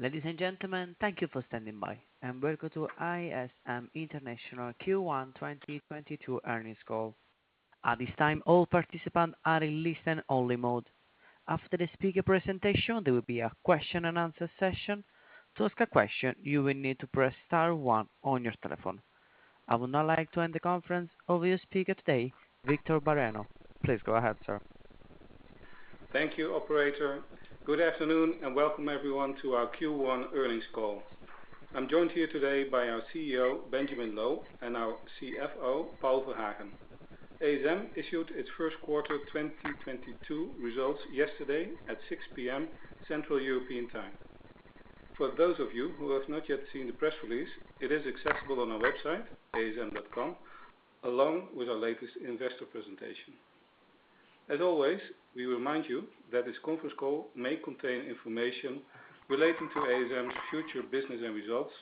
Ladies and gentlemen, thank you for standing by, and welcome to ASM International Q1 2022 earnings call. At this time, all participants are in listen only mode. After the speaker presentation, there will be a question and answer session. To ask a question, you will need to press star one on your telephone. I would now like to hand the conference over to speaker today, Victor Bareño. Please go ahead, sir. Thank you, operator. Good afternoon, and welcome everyone to our Q1 earnings call. I'm joined here today by our CEO, Benjamin Loh, and our CFO, Paul Verhagen. ASM issued its first quarter 2022 results yesterday at 6:00 P.M. Central European Time. For those of you who have not yet seen the press release, it is accessible on our website, asm.com, along with our latest investor presentation. As always, we remind you that this conference call may contain information relating to ASM's future business and results,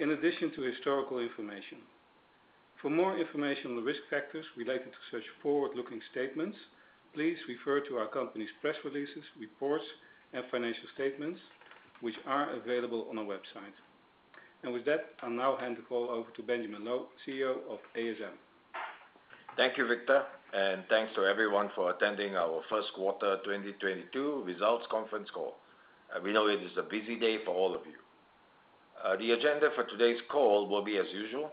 in addition to historical information. For more information on the risk factors related to such forward-looking statements, please refer to our company's press releases, reports, and financial statements, which are available on our website. With that, I'll now hand the call over to Benjamin Loh, CEO of ASM. Thank you, Victor, and thanks to everyone for attending our first quarter 2022 results conference call. We know it is a busy day for all of you. The agenda for today's call will be as usual.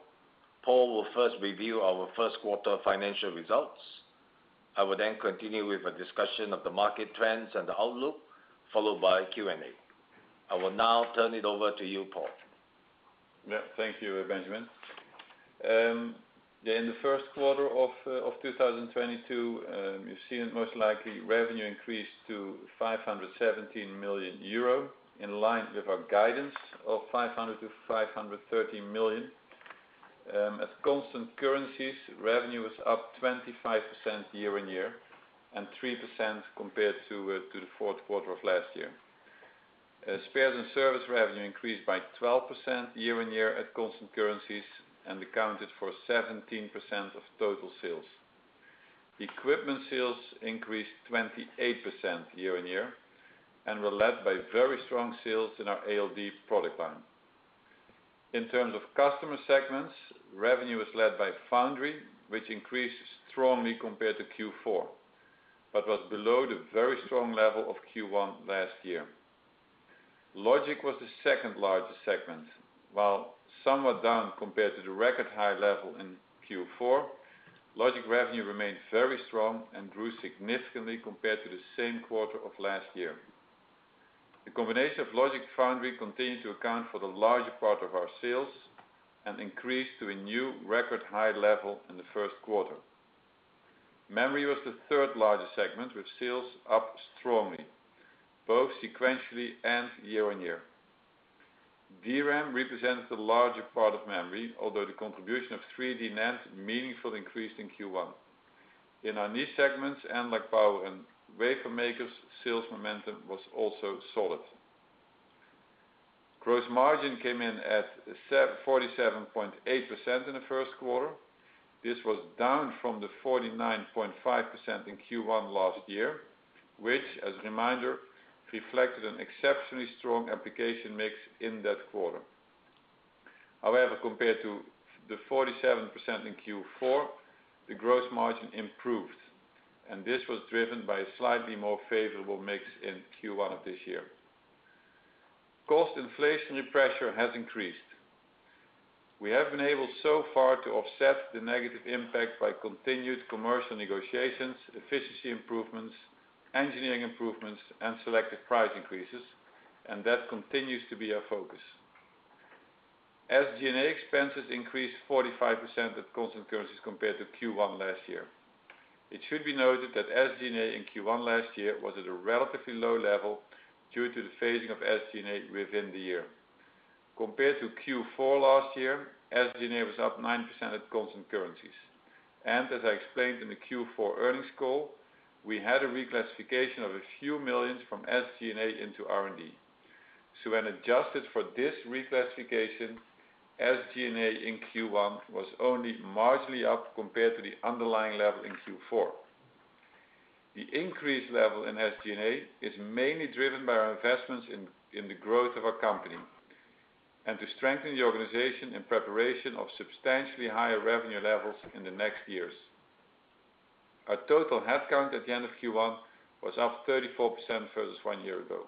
Paul will first review our first quarter financial results. I will then continue with a discussion of the market trends and the outlook, followed by Q&A. I will now turn it over to you, Paul. Thank you, Benjamin. In the first quarter of 2022, you've seen most likely revenue increased to 570 million euro, in line with our guidance of 500 million-530 million. At constant currencies, revenue was up 25% year-on-year, and 3% compared to the fourth quarter of last year. Spares and service revenue increased by 12% year-on-year at constant currencies, and accounted for 17% of total sales. Equipment sales increased 28% year-on-year, and were led by very strong sales in our ALD product line. In terms of customer segments, revenue was led by Foundry, which increased strongly compared to Q4, but was below the very strong level of Q1 last year. Logic was the second largest segment. While somewhat down compared to the record high level in Q4, Logic revenue remained very strong and grew significantly compared to the same quarter of last year. The combination of Logic Foundry continued to account for the larger part of our sales and increased to a new record high level in the first quarter. Memory was the third largest segment, with sales up strongly, both sequentially and year-on-year. DRAM represents the larger part of memory, although the contribution of 3D NAND meaningful increased in Q1. In our niche segments, analog power and wafer makers, sales momentum was also solid. Gross margin came in at 47.8% in the first quarter. This was down from the 49.5% in Q1 last year, which, as a reminder, reflected an exceptionally strong application mix in that quarter. However, compared to the 47% in Q4, the gross margin improved, and this was driven by a slightly more favorable mix in Q1 of this year. Cost inflationary pressure has increased. We have been able so far to offset the negative impact by continued commercial negotiations, efficiency improvements, engineering improvements, and selective price increases, and that continues to be our focus. SG&A expenses increased 45% at constant currencies compared to Q1 last year. It should be noted that SG&A in Q1 last year was at a relatively low level due to the phasing of SG&A within the year. Compared to Q4 last year, SG&A was up 9% at constant currencies. As I explained in the Q4 earnings call, we had a reclassification of a few millions from SG&A into R&D. When adjusted for this reclassification, SG&A in Q1 was only marginally up compared to the underlying level in Q4. The increased level in SG&A is mainly driven by our investments in the growth of our company, and to strengthen the organization in preparation of substantially higher revenue levels in the next years. Our total headcount at the end of Q1 was up 34% versus one year ago.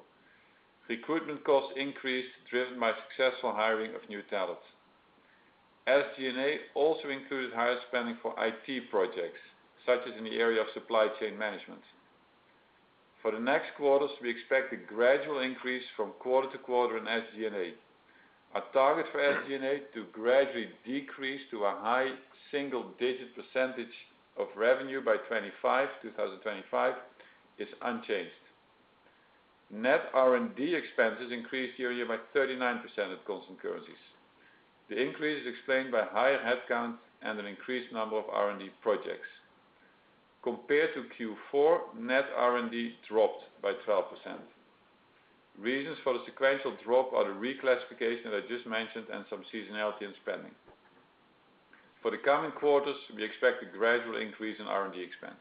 Recruitment costs increased, driven by successful hiring of new talent. SG&A also included higher spending for IT projects, such as in the area of supply chain management. For the next quarters, we expect a gradual increase from quarter-to-quarter in SG&A. Our target for SG&A to gradually decrease to a high single digit percentage of revenue by 2025 is unchanged. Net R&D expenses increased year-on-year by 39% at constant currencies. The increase is explained by higher headcount and an increased number of R&D projects. Compared to Q4, net R&D dropped by 12%. Reasons for the sequential drop are the reclassification that I just mentioned and some seasonality in spending. For the coming quarters, we expect a gradual increase in R&D expense.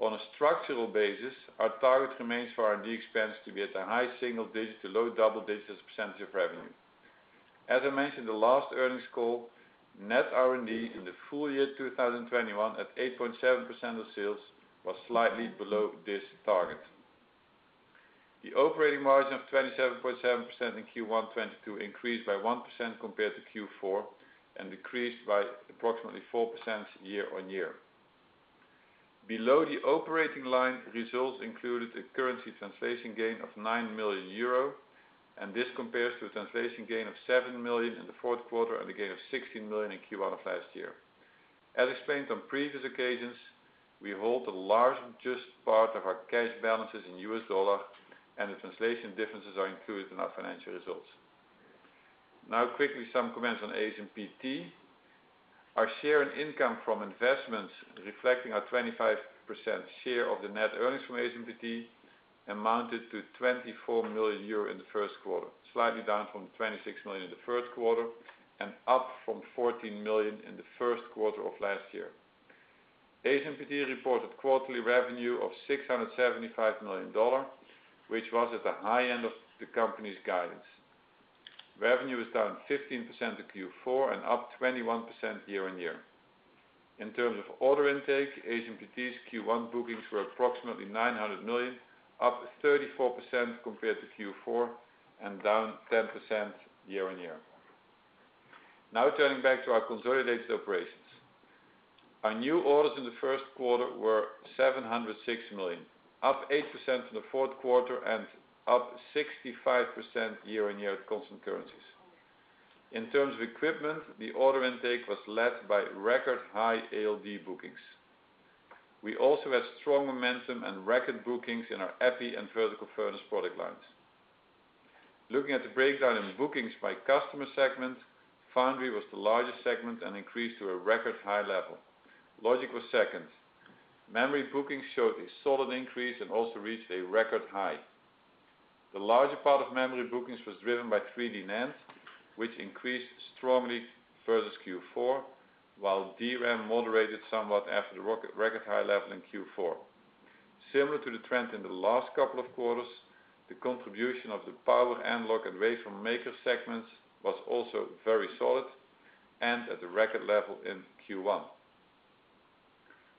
On a structural basis, our target remains for R&D expense to be at the high single-digit to low double-digit percentage of revenue. As I mentioned in the last earnings call, net R&D in the full year 2021 at 8.7% of sales was slightly below this target. The operating margin of 27.7% in Q1 2022 increased by 1% compared to Q4, and decreased by approximately 4% year-on-year. Below the operating line results included a currency translation gain of 9 million euro, and this compares to a translation gain of 7 million in the fourth quarter and a gain of 16 million in Q1 of last year. As explained on previous occasions, we hold a large part of our cash balances in US dollar, and the translation differences are included in our financial results. Now quickly some comments on ASMPT. Our share in income from investments reflecting our 25% share of the net earnings from ASMPT amounted to 24 million euro in the first quarter, slightly down from the 26 million in the first quarter and up from 14 million in the first quarter of last year. ASMPT reported quarterly revenue of $675 million, which was at the high end of the company's guidance. Revenue was down 15% to Q4 and up 21% year-over-year. In terms of order intake, ASMPT's Q1 bookings were approximately 900 million, up 34% compared to Q4, and down 10% year-over-year. Now turning back to our consolidated operations. Our new orders in the first quarter were 706 million, up 8% from the fourth quarter and up 65% year-over-year at constant currencies. In terms of equipment, the order intake was led by record high ALD bookings. We also had strong momentum and record bookings in our EPI and vertical furnace product lines. Looking at the breakdown in bookings by customer segment, Foundry was the largest segment and increased to a record high level. Logic was second. Memory bookings showed a solid increase and also reached a record high. The larger part of memory bookings was driven by 3D NAND, which increased strongly versus Q4, while DRAM moderated somewhat after the record high level in Q4. Similar to the trend in the last couple of quarters, the contribution of the power analog and wafer maker segments was also very solid and at the record level in Q1.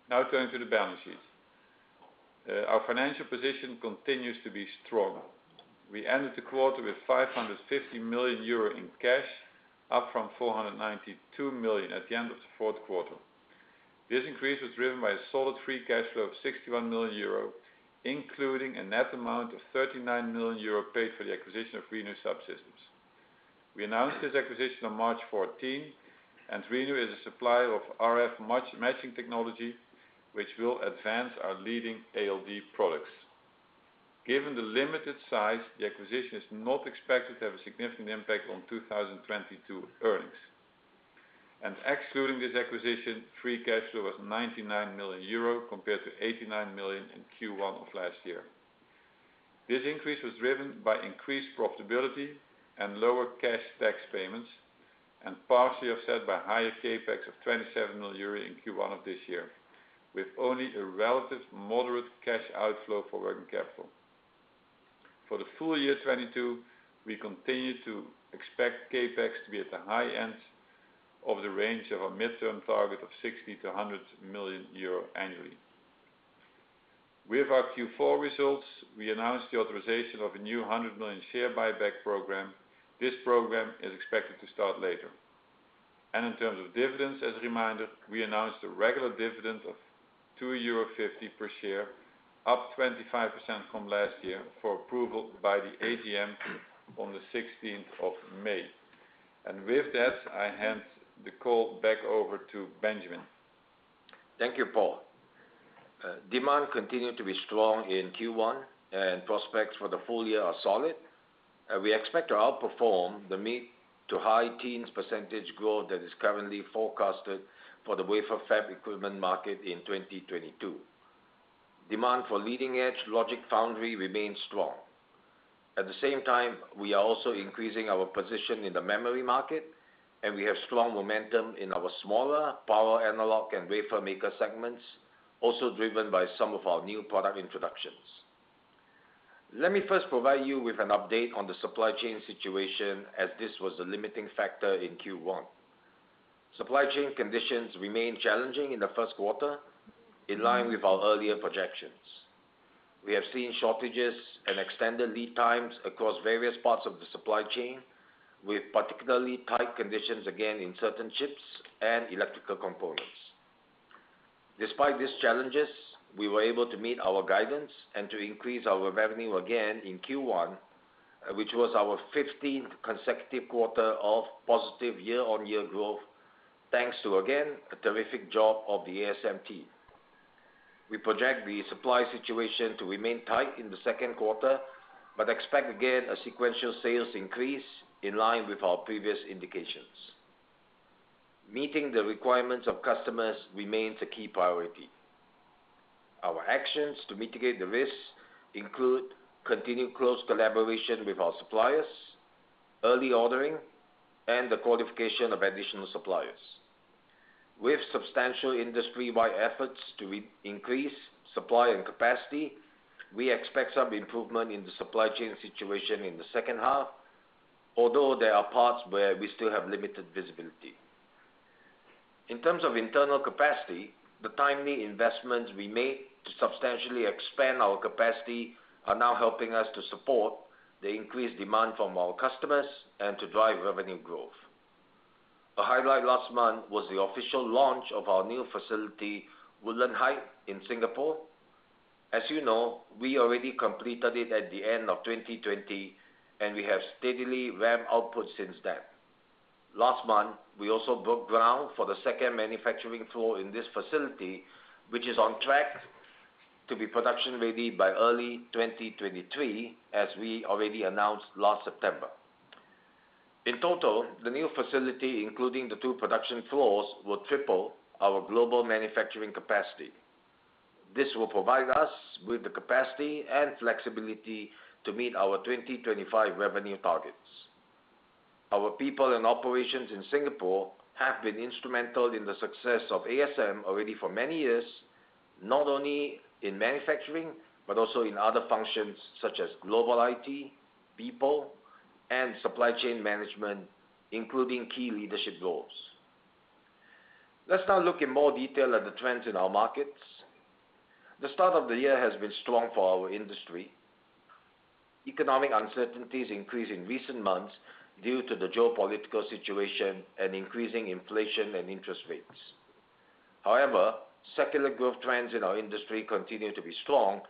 Now turning to the balance sheet. Our financial position continues to be strong. We ended the quarter with 550 million euro in cash, up from 492 million at the end of the fourth quarter. This increase was driven by a solid free cash flow of 61 million euro, including a net amount of 39 million euro paid for the acquisition of Reno Subsystems. We announced this acquisition on March 14, and Reno is a supplier of RF match, matching technology, which will advance our leading ALD products. Given the limited size, the acquisition is not expected to have a significant impact on 2022 earnings. Excluding this acquisition, free cash flow was 99 million euro compared to 89 million in Q1 of last year. This increase was driven by increased profitability and lower cash tax payments, and partially offset by higher CapEx of EUR 27 million in Q1 of this year, with only a relatively moderate cash outflow for working capital. For the full year 2022, we continue to expect CapEx to be at the high end of the range of our midterm target of 60 million-100 million euro annually. With our Q4 results, we announced the authorization of a new 100 million share buyback program. This program is expected to start later. In terms of dividends, as a reminder, we announced a regular dividend of 2.50 euro per share, up 25% from last year for approval by the AGM on the 16th of May. With that, I hand the call back over to Benjamin. Thank you, Paul. Demand continued to be strong in Q1, and prospects for the full year are solid. We expect to outperform the mid to high-teens percentage growth that is currently forecasted for the wafer fab equipment market in 2022. Demand for leading-edge Logic Foundry remains strong. At the same time, we are also increasing our position in the memory market, and we have strong momentum in our smaller power analog and wafer maker segments, also driven by some of our new product introductions. Let me first provide you with an update on the supply chain situation as this was the limiting factor in Q1. Supply chain conditions remained challenging in the first quarter in line with our earlier projections. We have seen shortages and extended lead times across various parts of the supply chain, with particularly tight conditions again in certain chips and electrical components. Despite these challenges, we were able to meet our guidance and to increase our revenue again in Q1, which was our 15th consecutive quarter of positive year-on-year growth, thanks to again a terrific job of the ASMT. We project the supply situation to remain tight in the second quarter, but expect again a sequential sales increase in line with our previous indications. Meeting the requirements of customers remains the key priority. Our actions to mitigate the risks include continued close collaboration with our suppliers, early ordering, and the qualification of additional suppliers. With substantial industry-wide efforts to increase supply and capacity, we expect some improvement in the supply chain situation in the second half, although there are parts where we still have limited visibility. In terms of internal capacity, the timely investments we made to substantially expand our capacity are now helping us to support the increased demand from our customers and to drive revenue growth. The highlight last month was the official launch of our new facility, Woodlands Heights, in Singapore. As you know, we already completed it at the end of 2020, and we have steadily ramped output since then. Last month, we also broke ground for the second manufacturing floor in this facility, which is on track to be production ready by early 2023, as we already announced last September. In total, the new facility, including the two production floors, will triple our global manufacturing capacity. This will provide us with the capacity and flexibility to meet our 2025 revenue targets. Our people and operations in Singapore have been instrumental in the success of ASM already for many years, not only in manufacturing, but also in other functions such as global IT, people, and supply chain management, including key leadership roles. Let's now look in more detail at the trends in our markets. The start of the year has been strong for our industry. Economic uncertainties increased in recent months due to the geopolitical situation and increasing inflation and interest rates. However, secular growth trends in our industry continue to be strong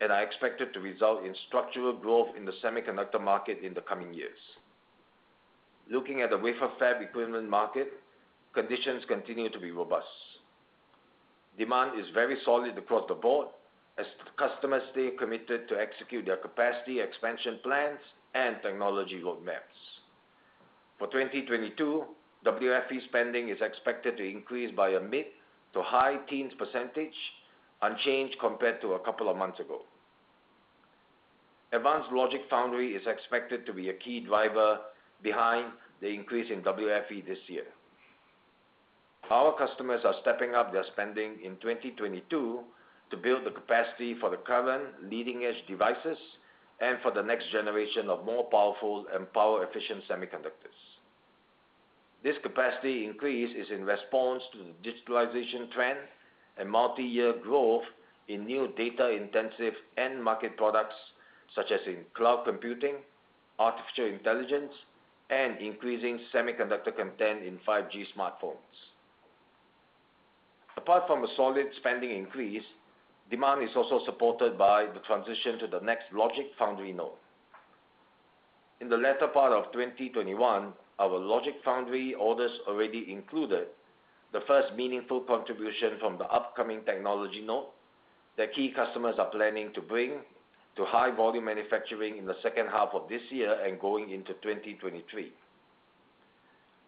and are expected to result in structural growth in the semiconductor market in the coming years. Looking at the wafer fab equipment market, conditions continue to be robust. Demand is very solid across the board as customers stay committed to execute their capacity expansion plans and technology roadmaps. For 2022, WFE spending is expected to increase by a mid to high-teens percentages, unchanged compared to a couple of months ago. Advanced Logic Foundry is expected to be a key driver behind the increase in WFE this year. Our customers are stepping up their spending in 2022 to build the capacity for the current leading-edge devices and for the next generation of more powerful and power-efficient semiconductors. This capacity increase is in response to the digitalization trend and multi-year growth in new data-intensive end market products, such as in cloud computing, artificial intelligence, and increasing semiconductor content in 5G smartphones. Apart from a solid spending increase, demand is also supported by the transition to the next Logic Foundry node. In the latter part of 2021, our Logic Foundry orders already included the first meaningful contribution from the upcoming technology node that key customers are planning to bring to high volume manufacturing in the second half of this year and going into 2023.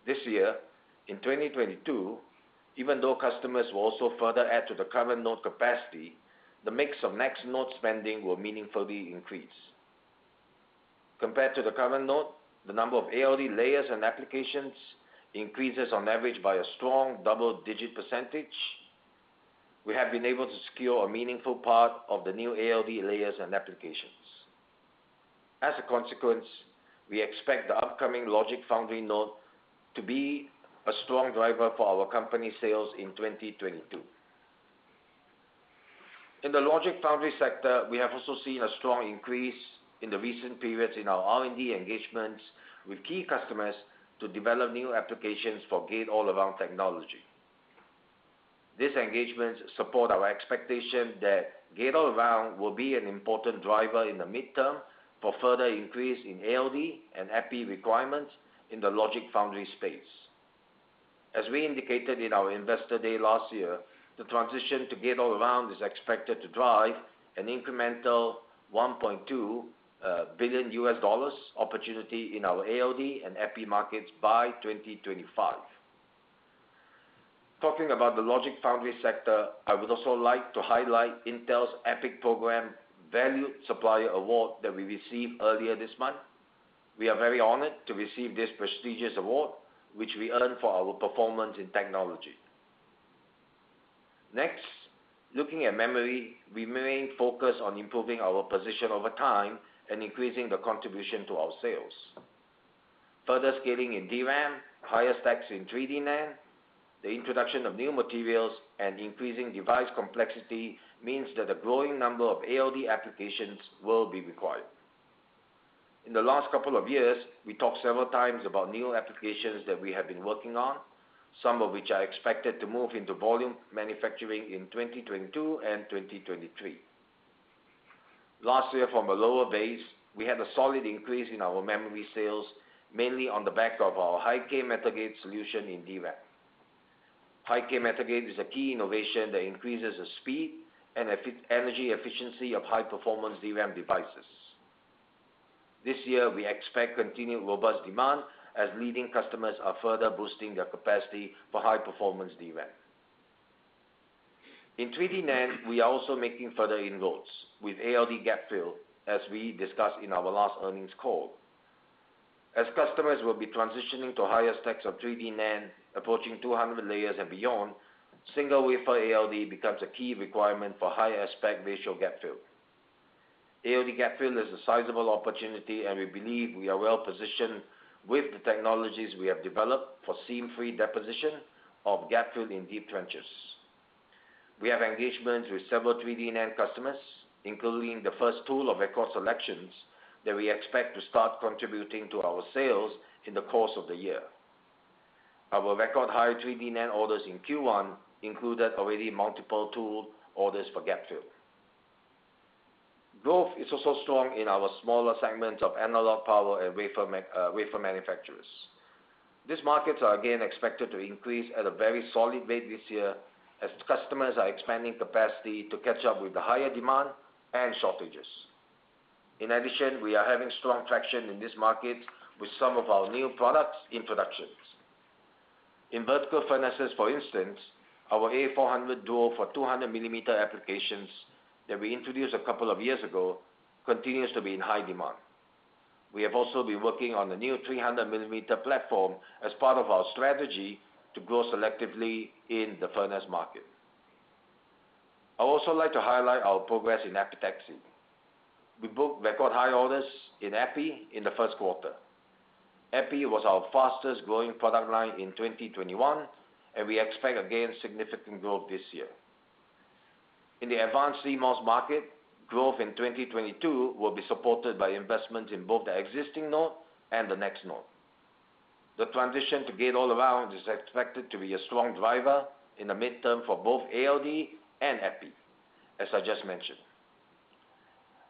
This year, in 2022, even though customers will also further add to the current node capacity, the mix of next node spending will meaningfully increase. Compared to the current node, the number of ALD layers and applications increases on average by a strong double-digit percentage. We have been able to secure a meaningful part of the new ALD layers and applications. As a consequence, we expect the upcoming Logic Foundry node to be a strong driver for our company sales in 2022. In the Logic Foundry sector, we have also seen a strong increase in the recent periods in our R&D engagements with key customers to develop new applications for gate-all-around technology. These engagements support our expectation that gate-all-around will be an important driver in the midterm for further increase in ALD and EPI requirements in the Logic Foundry space. As we indicated in our Investor Day last year, the transition to gate-all-around is expected to drive an incremental $1.2 billion opportunity in our ALD and EPI markets by 2025. Talking about the Logic Foundry sector, I would also like to highlight Intel's EPIC Valued Supplier Award that we received earlier this month. We are very honored to receive this prestigious award, which we earned for our performance in technology. Next, looking at memory, we remain focused on improving our position over time and increasing the contribution to our sales. Further scaling in DRAM, higher stacks in 3D NAND, the introduction of new materials, and increasing device complexity means that a growing number of ALD applications will be required. In the last couple of years, we talked several times about new applications that we have been working on, some of which are expected to move into volume manufacturing in 2022 and 2023. Last year, from a lower base, we had a solid increase in our memory sales, mainly on the back of our high-k metal gate solution in DRAM. High-k metal gate is a key innovation that increases the speed and energy efficiency of high-performance DRAM devices. This year, we expect continued robust demand as leading customers are further boosting their capacity for high performance DRAM. In 3D NAND, we are also making further inroads with ALD gapfill, as we discussed in our last earnings call. As customers will be transitioning to higher stacks of 3D NAND, approaching 200 layers and beyond, single wafer ALD becomes a key requirement for higher aspect ratio gapfill. ALD gapfill is a sizable opportunity, and we believe we are well-positioned with the technologies we have developed for seam-free deposition of gapfill in deep trenches. We have engagements with several 3D NAND customers, including the first tool of record selections that we expect to start contributing to our sales in the course of the year. Our record high 3D NAND orders in Q1 included already multiple tool orders for gapfill. Growth is also strong in our smaller segments of analog power and wafer manufacturers. These markets are again expected to increase at a very solid rate this year as customers are expanding capacity to catch up with the higher demand and shortages. In addition, we are having strong traction in this market with some of our new products introductions. In vertical furnaces, for instance, our A400 DUO for 200 millimeter applications that we introduced a couple of years ago continues to be in high demand. We have also been working on the new 300 millimeter platform as part of our strategy to grow selectively in the furnace market. I would also like to highlight our progress in epitaxy. We booked record high orders in epi in the first quarter. Epi was our fastest-growing product line in 2021, and we expect, again, significant growth this year. In the advanced CMOS market, growth in 2022 will be supported by investment in both the existing node and the next node. The transition to gate-all-around is expected to be a strong driver in the midterm for both ALD and epi, as I just mentioned.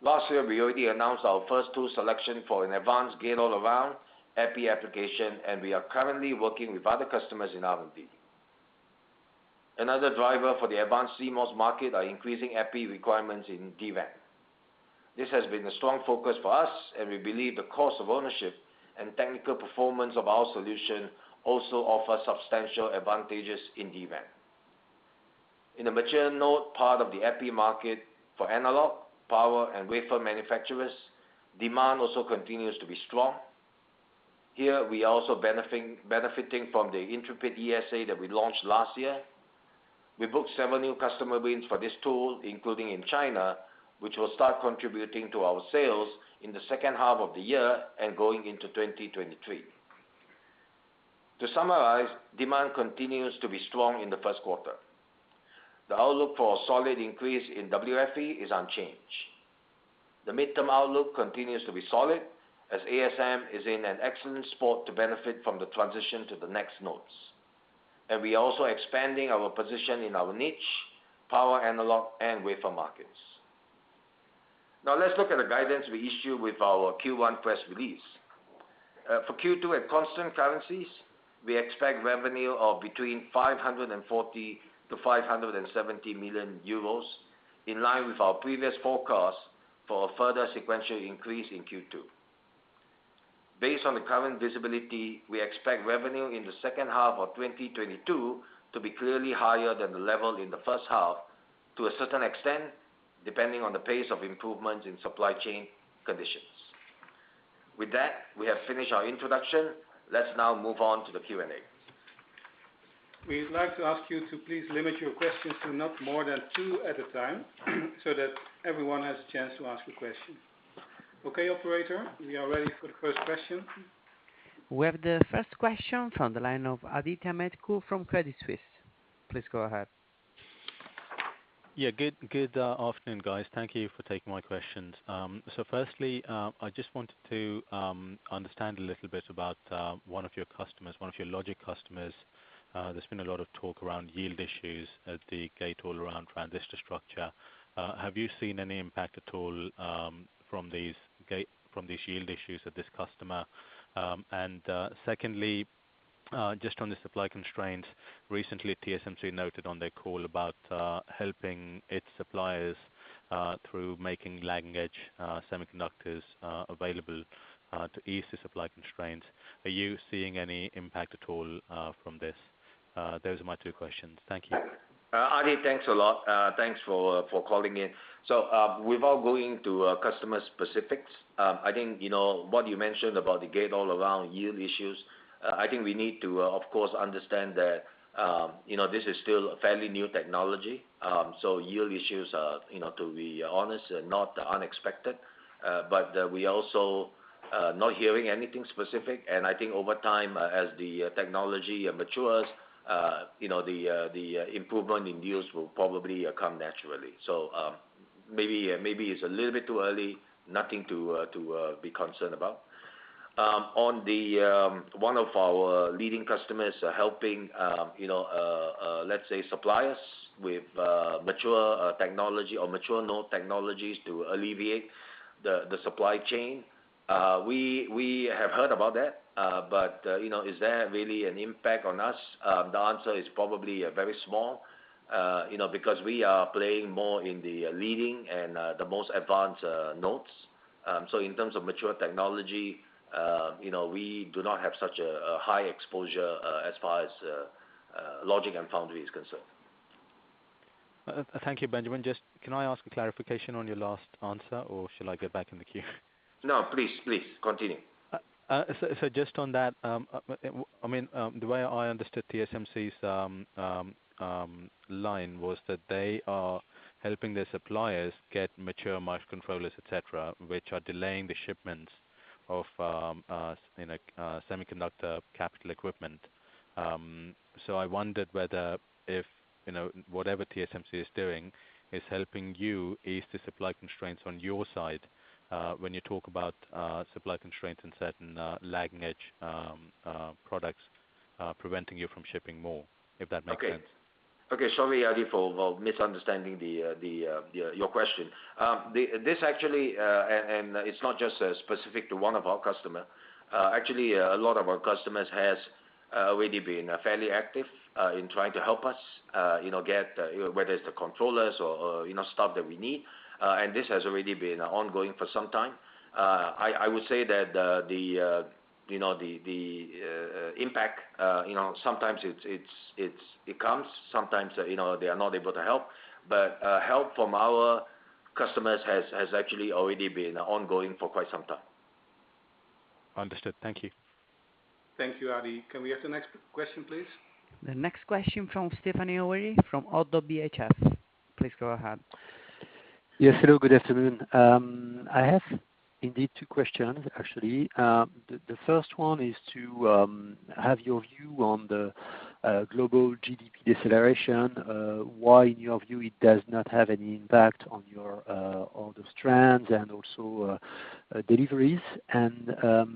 Last year, we already announced our first tool selection for an advanced gate-all-around epi application, and we are currently working with other customers in R&D. Another driver for the advanced CMOS market are increasing epi requirements in DVAP. This has been a strong focus for us, and we believe the cost of ownership and technical performance of our solution also offer substantial advantages in DVAP. In the mature node part of the epi market for analog, power, and wafer manufacturers, demand also continues to be strong. Here, we are also benefiting from the Intrepid ESA that we launched last year. We booked several new customer wins for this tool, including in China, which will start contributing to our sales in the second half of the year and going into 2023. To summarize, demand continues to be strong in the first quarter. The outlook for a solid increase in WFE is unchanged. The midterm outlook continues to be solid, as ASM is in an excellent spot to benefit from the transition to the next nodes. We are also expanding our position in our niche power analog and wafer markets. Now let's look at the guidance we issued with our Q1 press release. For Q2 at constant currencies, we expect revenue of between 540 million-570 million euros, in line with our previous forecast for a further sequential increase in Q2. Based on the current visibility, we expect revenue in the second half of 2022 to be clearly higher than the level in the first half to a certain extent, depending on the pace of improvement in supply chain conditions. With that, we have finished our introduction. Let's now move on to the Q&A. We'd like to ask you to please limit your questions to not more than two at a time, so that everyone has a chance to ask a question. Okay, operator, we are ready for the first question. We have the first question from the line of Adithya Metuku from Credit Suisse. Please go ahead. Yeah. Good afternoon, guys. Thank you for taking my questions. Firstly, I just wanted to understand a little bit about one of your customers, one of your Logic customers. There's been a lot of talk around yield issues at the gate-all-around transistor structure. Have you seen any impact at all from these yield issues at this customer? Secondly, just on the supply constraints, recently, TSMC noted on their call about helping its suppliers through making lagging edge semiconductors available to ease the supply constraints. Are you seeing any impact at all from this? Those are my two questions. Thank you. Adithya, thanks a lot. Thanks for calling in. Without going into customer specifics, I think, you know, what you mentioned about the gate-all-around yield issues, I think we need to, of course, understand that, you know, this is still a fairly new technology. Yield issues are, you know, to be honest, are not unexpected. But we also not hearing anything specific. I think over time, as the technology matures, you know, the improvement in yields will probably come naturally. Maybe it's a little bit too early. Nothing to be concerned about. One of our leading customers helping, you know, let's say, suppliers with mature technology or mature node technologies to alleviate the supply chain, we have heard about that. You know, is there really an impact on us? The answer is probably very small, you know, because we are playing more in the leading and the most advanced nodes. In terms of mature technology, you know, we do not have such a high exposure as far as Logic and Foundry is concerned. Thank you, Benjamin. Just, can I ask a clarification on your last answer, or shall I get back in the queue? No, please continue. Just on that, I mean, the way I understood TSMC's line was that they are helping their suppliers get mature microcontrollers, et cetera, which are delaying the shipments of, you know, semiconductor capital equipment. I wondered whether if, you know, whatever TSMC is doing is helping you ease the supply constraints on your side, when you talk about supply constraints in certain lagging edge products preventing you from shipping more, if that makes sense. Okay, sorry, Adi, for well misunderstanding your question. This actually and it's not just specific to one of our customer. Actually, a lot of our customers has already been fairly active in trying to help us, you know, get whether it's the controllers or, you know, stuff that we need. This has already been ongoing for some time. I would say that the impact, you know, sometimes it comes, sometimes, you know, they are not able to help. Help from our customers has actually already been ongoing for quite some time. Understood. Thank you. Thank you, Adi. Can we have the next question, please? The next question from Stéphane Houri from ODDO BHF. Please go ahead. Yes. Hello, good afternoon. I have indeed two questions, actually. The first one is to have your view on the global GDP deceleration, why in your view it does not have any impact on your spends and also deliveries. The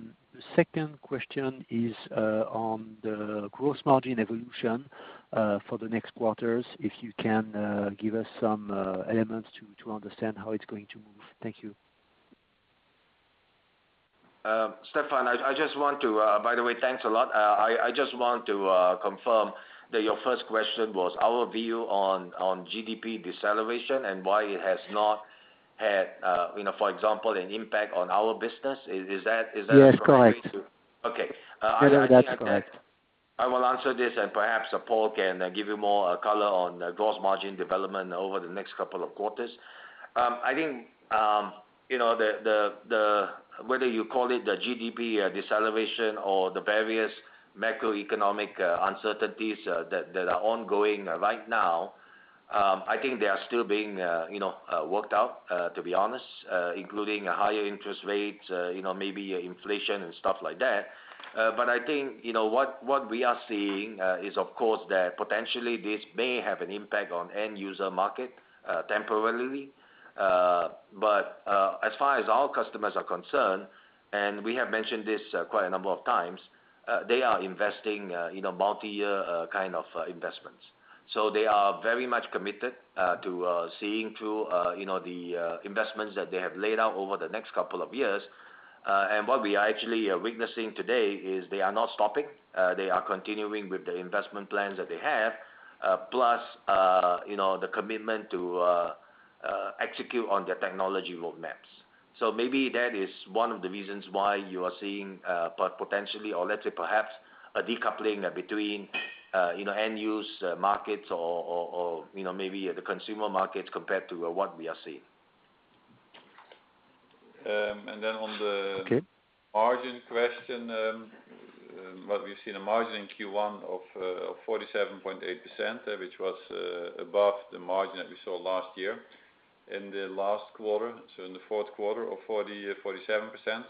second question is on the gross margin evolution for the next quarters, if you can give us some elements to understand how it's going to move. Thank you. Stéphane, by the way, thanks a lot. I just want to confirm that your first question was our view on GDP deceleration and why it has not had, you know, for example, an impact on our business. Is that a correct- Yes, correct. Okay. I think that. That is correct. I will answer this, and perhaps Paul can give you more color on the gross margin development over the next couple of quarters. I think you know whether you call it the GDP deceleration or the various macroeconomic uncertainties that are ongoing right now. I think they are still being worked out to be honest, including higher interest rates, you know, maybe inflation and stuff like that. I think you know what we are seeing is of course that potentially this may have an impact on end-user market temporarily. As far as our customers are concerned, and we have mentioned this quite a number of times, they are investing you know multi-year kind of investments. They are very much committed to seeing through you know the investments that they have laid out over the next couple of years. What we are actually witnessing today is they are not stopping. They are continuing with the investment plans that they have plus you know the commitment to execute on their technology roadmaps. Maybe that is one of the reasons why you are seeing potentially or let's say perhaps a decoupling between you know end use markets or you know maybe the consumer markets compared to what we are seeing. Um, and then on the- Okay. Margin question, well, we've seen a margin in Q1 of 47.8%, which was above the margin that we saw last year in the last quarter, so in the fourth quarter of 47%.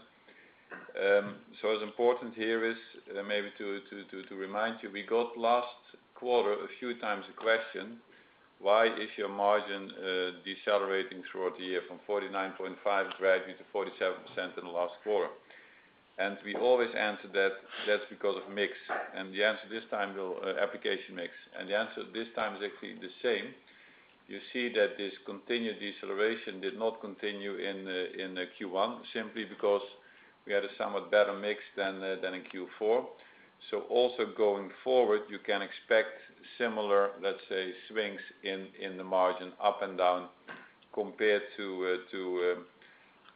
What's important here is maybe to remind you, we got last quarter a few times a question, "Why is your margin decelerating throughout the year from 49.5% gradually to 47% in the last quarter?" We always answer that that's because of mix. The answer this time is application mix, actually the same. You see that this continued deceleration did not continue in Q1, simply because we had a somewhat better mix than in Q4. Also going forward, you can expect similar, let's say, swings in the margin up and down compared to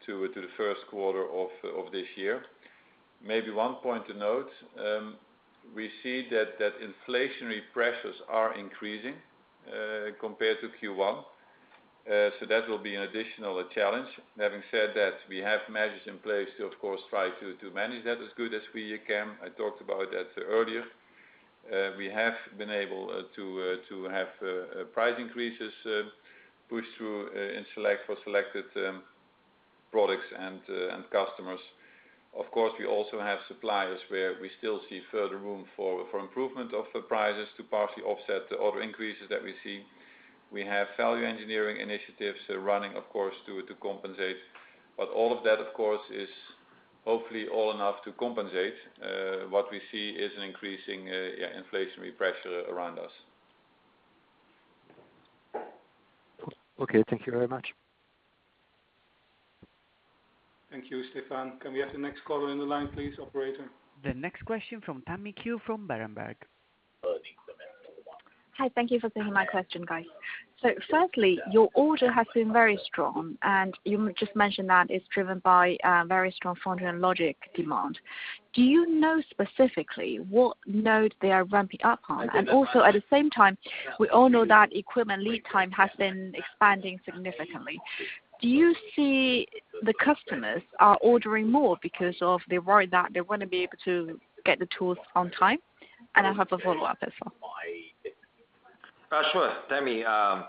the first quarter of this year. Maybe one point to note, we see that inflationary pressures are increasing compared to Q1. That will be an additional challenge. Having said that, we have measures in place to of course try to manage that as good as we can. I talked about that earlier. We have been able to have price increases pushed through for selected products and customers. Of course, we also have suppliers where we still see further room for improvement of prices to partially offset the other increases that we see. We have value engineering initiatives running, of course, to compensate. All of that, of course, is hopefully all enough to compensate what we see is an increasing, yeah, inflationary pressure around us. Okay. Thank you very much. Thank you, Stéphane. Can we have the next caller in the line, please, operator? The next question from Tammy Qiu from Berenberg. Hi. Thank you for taking my question, guys. Firstly, your order has been very strong, and you just mentioned that it's driven by very strong Foundry and Logic demand. Do you know specifically what node they are ramping up on? And also, at the same time, we all know that equipment lead time has been expanding significantly. Do you see the customers are ordering more because they're worried that they wouldn't be able to get the tools on time? And I have a follow-up as well. Sure, Tammy. On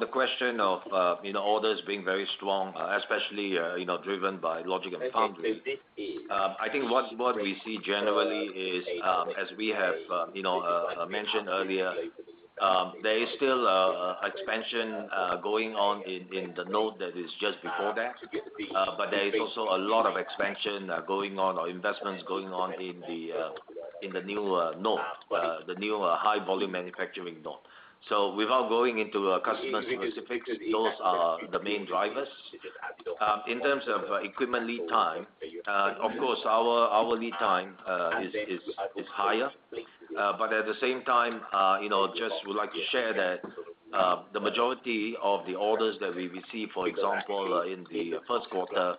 the question of you know, orders being very strong, especially you know, driven by Logic and Foundry, I think what we see generally is, as we have you know mentioned earlier, there is still expansion going on in the node that is just before that. There is also a lot of expansion going on or investments going on in the new node, the new high volume manufacturing node. Without going into customer specifics, those are the main drivers. In terms of equipment lead time, of course, our lead time is higher. At the same time, you know, just would like to share that the majority of the orders that we receive, for example, in the first quarter,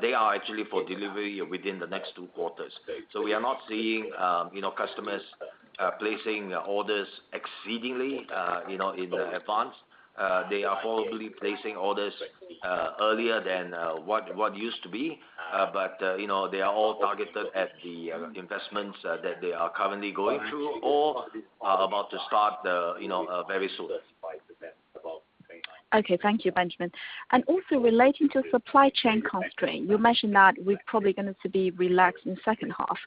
they are actually for delivery within the next two quarters. We are not seeing, you know, customers placing orders exceedingly, you know, in advance. They are probably placing orders earlier than what used to be. You know, they are all targeted at the investments that they are currently going through or are about to start, you know, very soon. Okay. Thank you, Benjamin. Also relating to supply chain constraint, you mentioned that will probably going to be relaxed in the second half.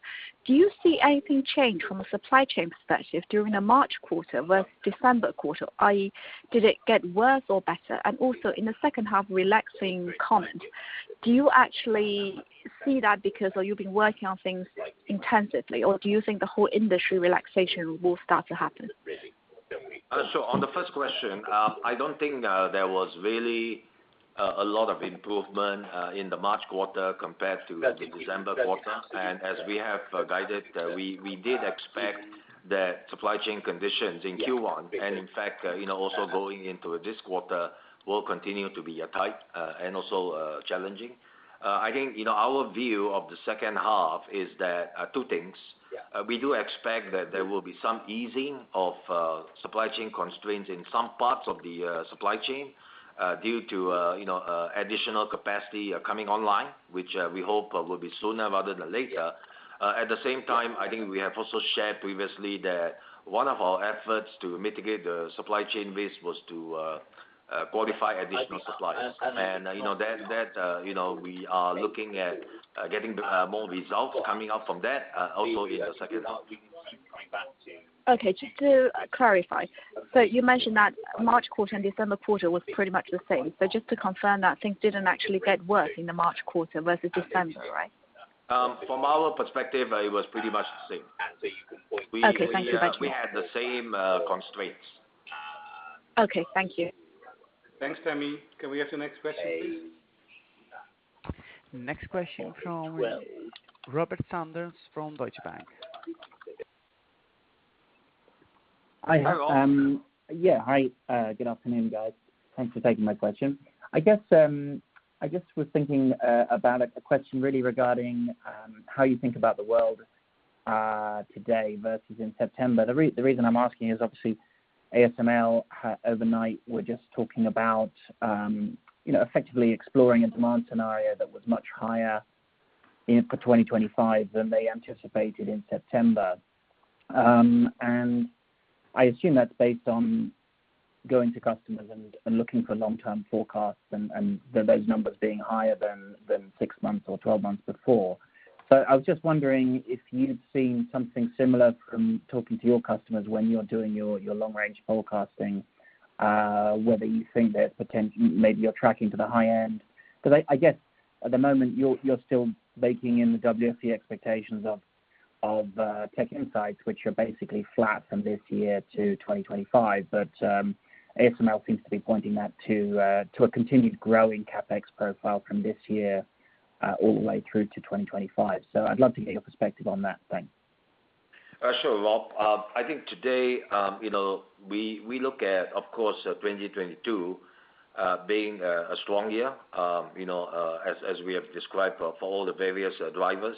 Do you see anything change from a supply chain perspective during the March quarter versus December quarter? Did it get worse or better? Also in the second half relaxing comment, do you actually see that because you've been working on things intensively, or do you think the whole industry relaxation will start to happen? On the first question, I don't think there was really a lot of improvement in the March quarter compared to the December quarter. As we have guided, we did expect that supply chain conditions in Q1, and in fact, you know, also going into this quarter will continue to be tight and also challenging. I think, you know, our view of the second half is that two things. We do expect that there will be some easing of supply chain constraints in some parts of the supply chain due to you know additional capacity coming online, which we hope will be sooner rather than later. At the same time, I think we have also shared previously that one of our efforts to mitigate the supply chain risk was to qualify additional suppliers. You know, that you know, we are looking at getting more results coming out from that also in the second half. Okay. Just to clarify. You mentioned that March quarter and December quarter was pretty much the same. Just to confirm that things didn't actually get worse in the March quarter versus December, right? From our perspective, it was pretty much the same. Okay. Thank you, Benjamin. We had the same constraints. Okay. Thank you. Thanks, Tammy. Can we have the next question, please? Next question from Robert Sanders from Deutsche Bank. Hi. Yeah. Hi. Good afternoon, guys. Thanks for taking my question. I guess we're thinking about a question really regarding how you think about the world today versus in September. The reason I'm asking is obviously ASML overnight were just talking about, you know, effectively exploring a demand scenario that was much higher, you know, for 2025 than they anticipated in September. I assume that's based on going to customers and looking for long-term forecasts and those numbers being higher than six months or 12 months before. I was just wondering if you'd seen something similar from talking to your customers when you're doing your long range forecasting whether you think that potentially maybe you're tracking to the high end. 'Cause I guess at the moment you're still baking in the WFE expectations of TechInsights, which are basically flat from this year to 2025. ASML seems to be pointing that to a continued growing CapEx profile from this year all the way through to 2025. I'd love to get your perspective on that. Thanks. Sure, Rob. I think today, you know, we look at, of course, 2022 being a strong year, you know, as we have described for all the various drivers.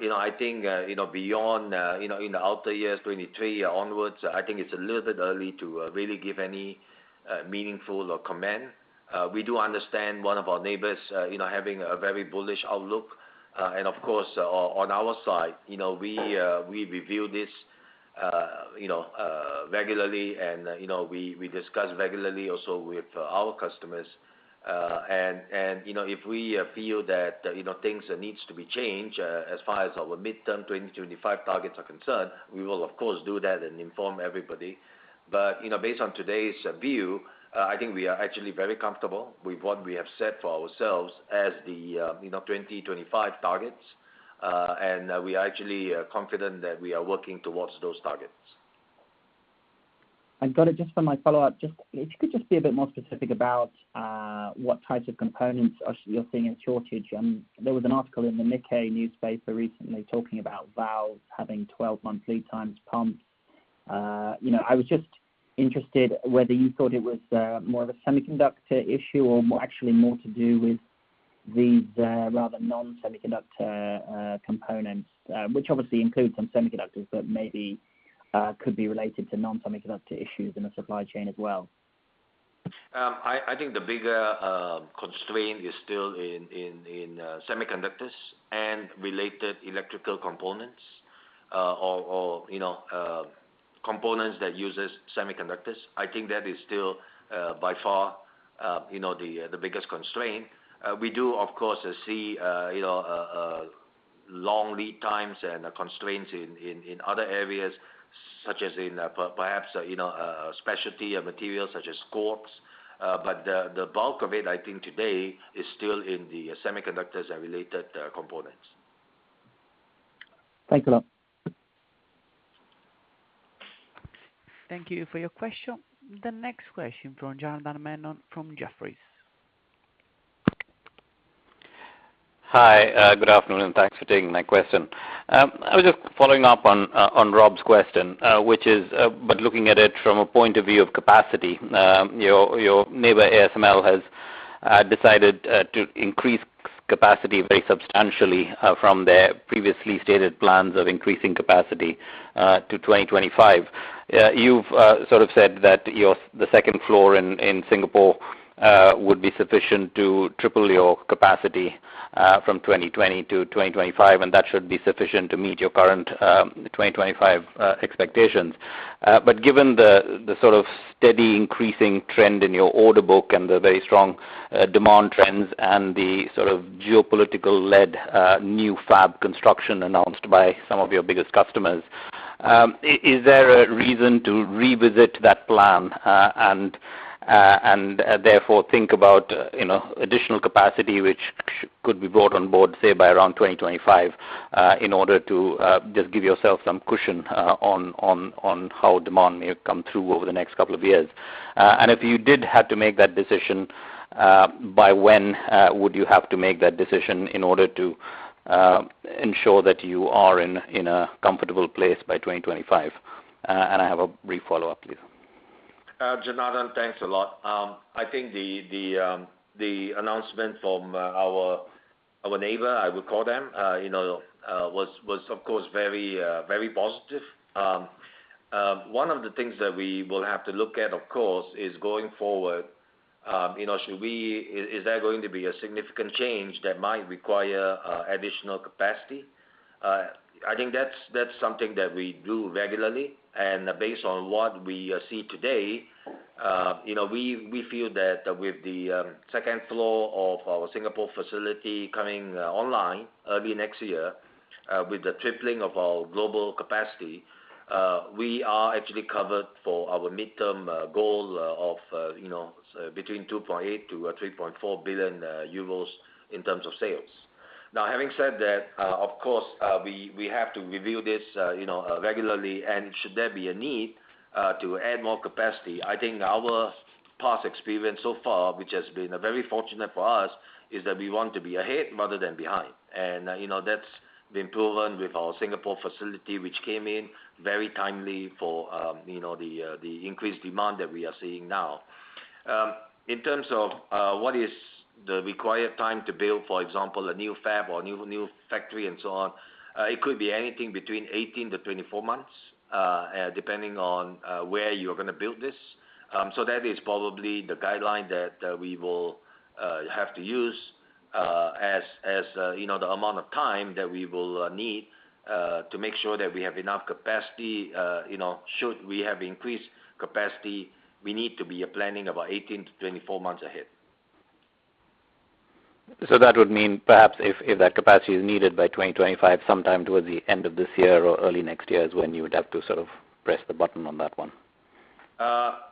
You know, I think beyond, you know, in the outer years, 2023 onwards, I think it's a little bit early to really give any meaningful comment. We do understand one of our neighbors, you know, having a very bullish outlook. Of course, on our side, you know, we review this, you know, regularly and, you know, we discuss regularly also with our customers. You know, if we feel that, you know, things needs to be changed, as far as our midterm 2025 targets are concerned, we will of course do that and inform everybody. You know, based on today's view, I think we are actually very comfortable with what we have set for ourselves as the, you know, 2025 targets. We are actually confident that we are working towards those targets. I got it. Just for my follow-up, just if you could just be a bit more specific about what types of components you're seeing a shortage. There was an article in the Nikkei newspaper recently talking about valves having 12-month lead times, pumps. You know, I was just interested whether you thought it was more of a semiconductor issue or more, actually more to do with these rather non-semiconductor components, which obviously includes some semiconductors that maybe could be related to non-semiconductor issues in the supply chain as well. I think the bigger constraint is still in semiconductors and related electrical components, you know, components that uses semiconductors. I think that is still by far, you know, the biggest constraint. We do, of course, see, you know, long lead times and constraints in other areas such as in, perhaps, you know, specialty materials such as quartz. The bulk of it, I think today is still in the semiconductors and related components. Thanks a lot. Thank you for your question. The next question from Janardan Menon from Jefferies. Hi, good afternoon, and thanks for taking my question. I was just following up on Rob's question, but looking at it from a point of view of capacity. Your neighbor, ASML, has decided to increase capacity very substantially from their previously stated plans of increasing capacity to 2025. You've sort of said that your second floor in Singapore would be sufficient to triple your capacity from 2020 to 2025, and that should be sufficient to meet your current 2025 expectations. Given the sort of steady increasing trend in your order book and the very strong demand trends and the sort of geopolitical-led new fab construction announced by some of your biggest customers, is there a reason to revisit that plan and therefore think about, you know, additional capacity which could be brought on board, say, by around 2025, in order to just give yourself some cushion on how demand may come through over the next couple of years? If you did have to make that decision, by when would you have to make that decision in order to ensure that you are in a comfortable place by 2025? I have a brief follow-up, please. Janardan, thanks a lot. I think the announcement from our neighbor, I would call them, was, of course, very positive. One of the things that we will have to look at, of course, is going forward, you know, is there going to be a significant change that might require additional capacity? I think that's something that we do regularly, and based on what we see today, you know, we feel that with the second floor of our Singapore facility coming online early next year, with the tripling of our global capacity, we are actually covered for our midterm goal of, you know, between 2.8 billion-3.4 billion euros in terms of sales. Now, having said that, of course, we have to review this, you know, regularly, and should there be a need to add more capacity, I think our past experience so far, which has been very fortunate for us, is that we want to be ahead rather than behind. You know, that's been proven with our Singapore facility, which came in very timely for you know, the increased demand that we are seeing now. In terms of what is the required time to build, for example, a new fab or a new factory and so on, it could be anything between 18-24 months, depending on where you're gonna build this. That is probably the guideline that we will have to use as you know, the amount of time that we will need to make sure that we have enough capacity, you know, should we have increased capacity, we need to be planning about 18-24 months ahead. That would mean perhaps if that capacity is needed by 2025, sometime towards the end of this year or early next year is when you would have to sort of press the button on that one.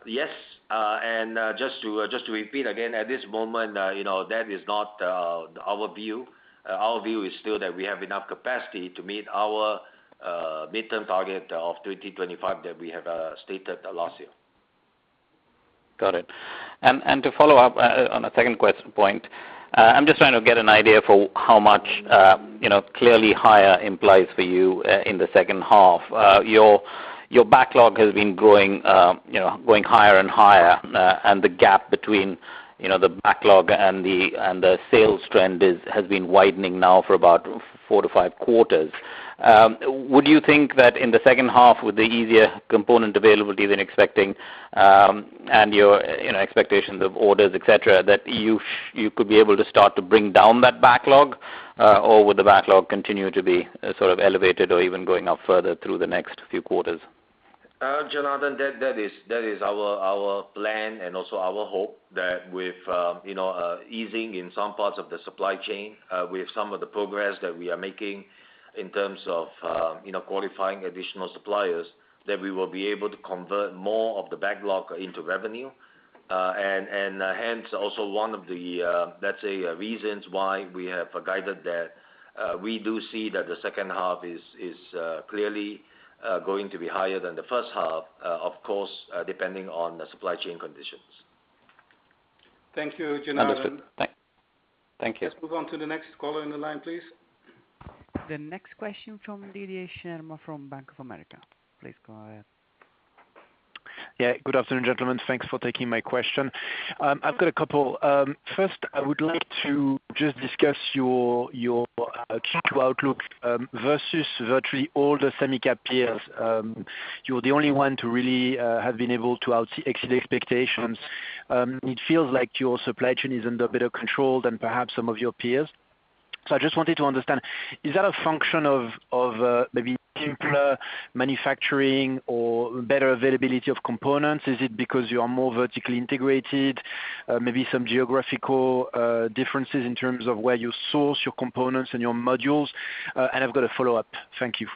Yes. Just to repeat again, at this moment, you know, that is not our view. Our view is still that we have enough capacity to meet our midterm target of 2025 that we have stated last year. Got it. To follow up on a second point, I'm just trying to get an idea for how much, you know, clearly higher implies for you in the second half. Your backlog has been growing, you know, going higher and higher, and the gap between, you know, the backlog and the sales trend has been widening now for about four to five quarters. Would you think that in the second half, with the easier component availability than expected, and your, you know, expectations of orders, et cetera, that you could be able to start to bring down that backlog, or would the backlog continue to be sort of elevated or even going up further through the next few quarters? Janardan, that is our plan and also our hope that with you know easing in some parts of the supply chain, with some of the progress that we are making in terms of you know qualifying additional suppliers, that we will be able to convert more of the backlog into revenue. Hence also one of the let's say reasons why we have guided that we do see that the second half is clearly going to be higher than the first half, of course, depending on the supply chain conditions. Thank you, Janardan. Understood. Thank you. Let's move on to the next caller in the line, please. The next question from Didier Scemama from Bank of America. Please go ahead. Yeah. Good afternoon, gentlemen. Thanks for taking my question. I've got a couple. First, I would like to just discuss your your Q2 outlook versus virtually all the Semicap peers. You're the only one to really have been able to out-exceed expectations. It feels like your supply chain is under better control than perhaps some of your peers. I just wanted to understand, is that a function of maybe simpler manufacturing or better availability of components? Is it because you are more vertically integrated? Maybe some geographical differences in terms of where you source your components and your modules? And I've got a follow-up. Thank you.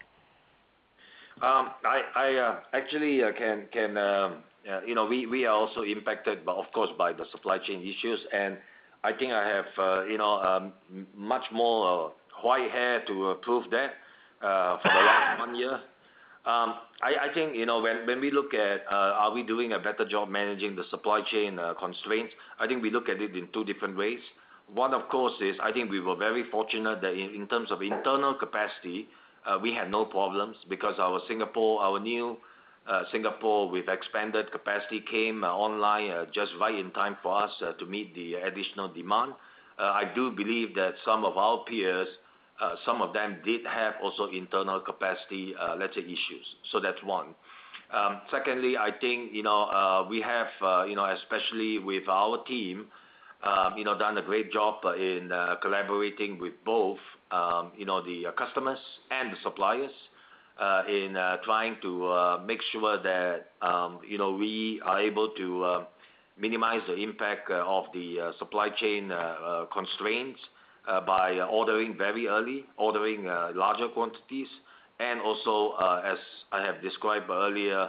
Actually, you know, we are also impacted by, of course, by the supply chain issues, and I think I have, you know, much more white hair to prove that, for the last one year. I think, you know, when we look at, are we doing a better job managing the supply chain constraints, I think we look at it in two different ways. One, of course, is I think we were very fortunate that in terms of internal capacity, we had no problems because our Singapore, our new Singapore with expanded capacity came online, just right in time for us, to meet the additional demand. I do believe that some of our peers, some of them did have also internal capacity, let's say issues. That's one. Secondly, I think, you know, we have, you know, especially with our team, you know, done a great job in, collaborating with both, you know, the customers and the suppliers, in, trying to, make sure that, you know, we are able to, minimize the impact, of the, supply chain constraints, by ordering very early, ordering, larger quantities, and also, as I have described earlier,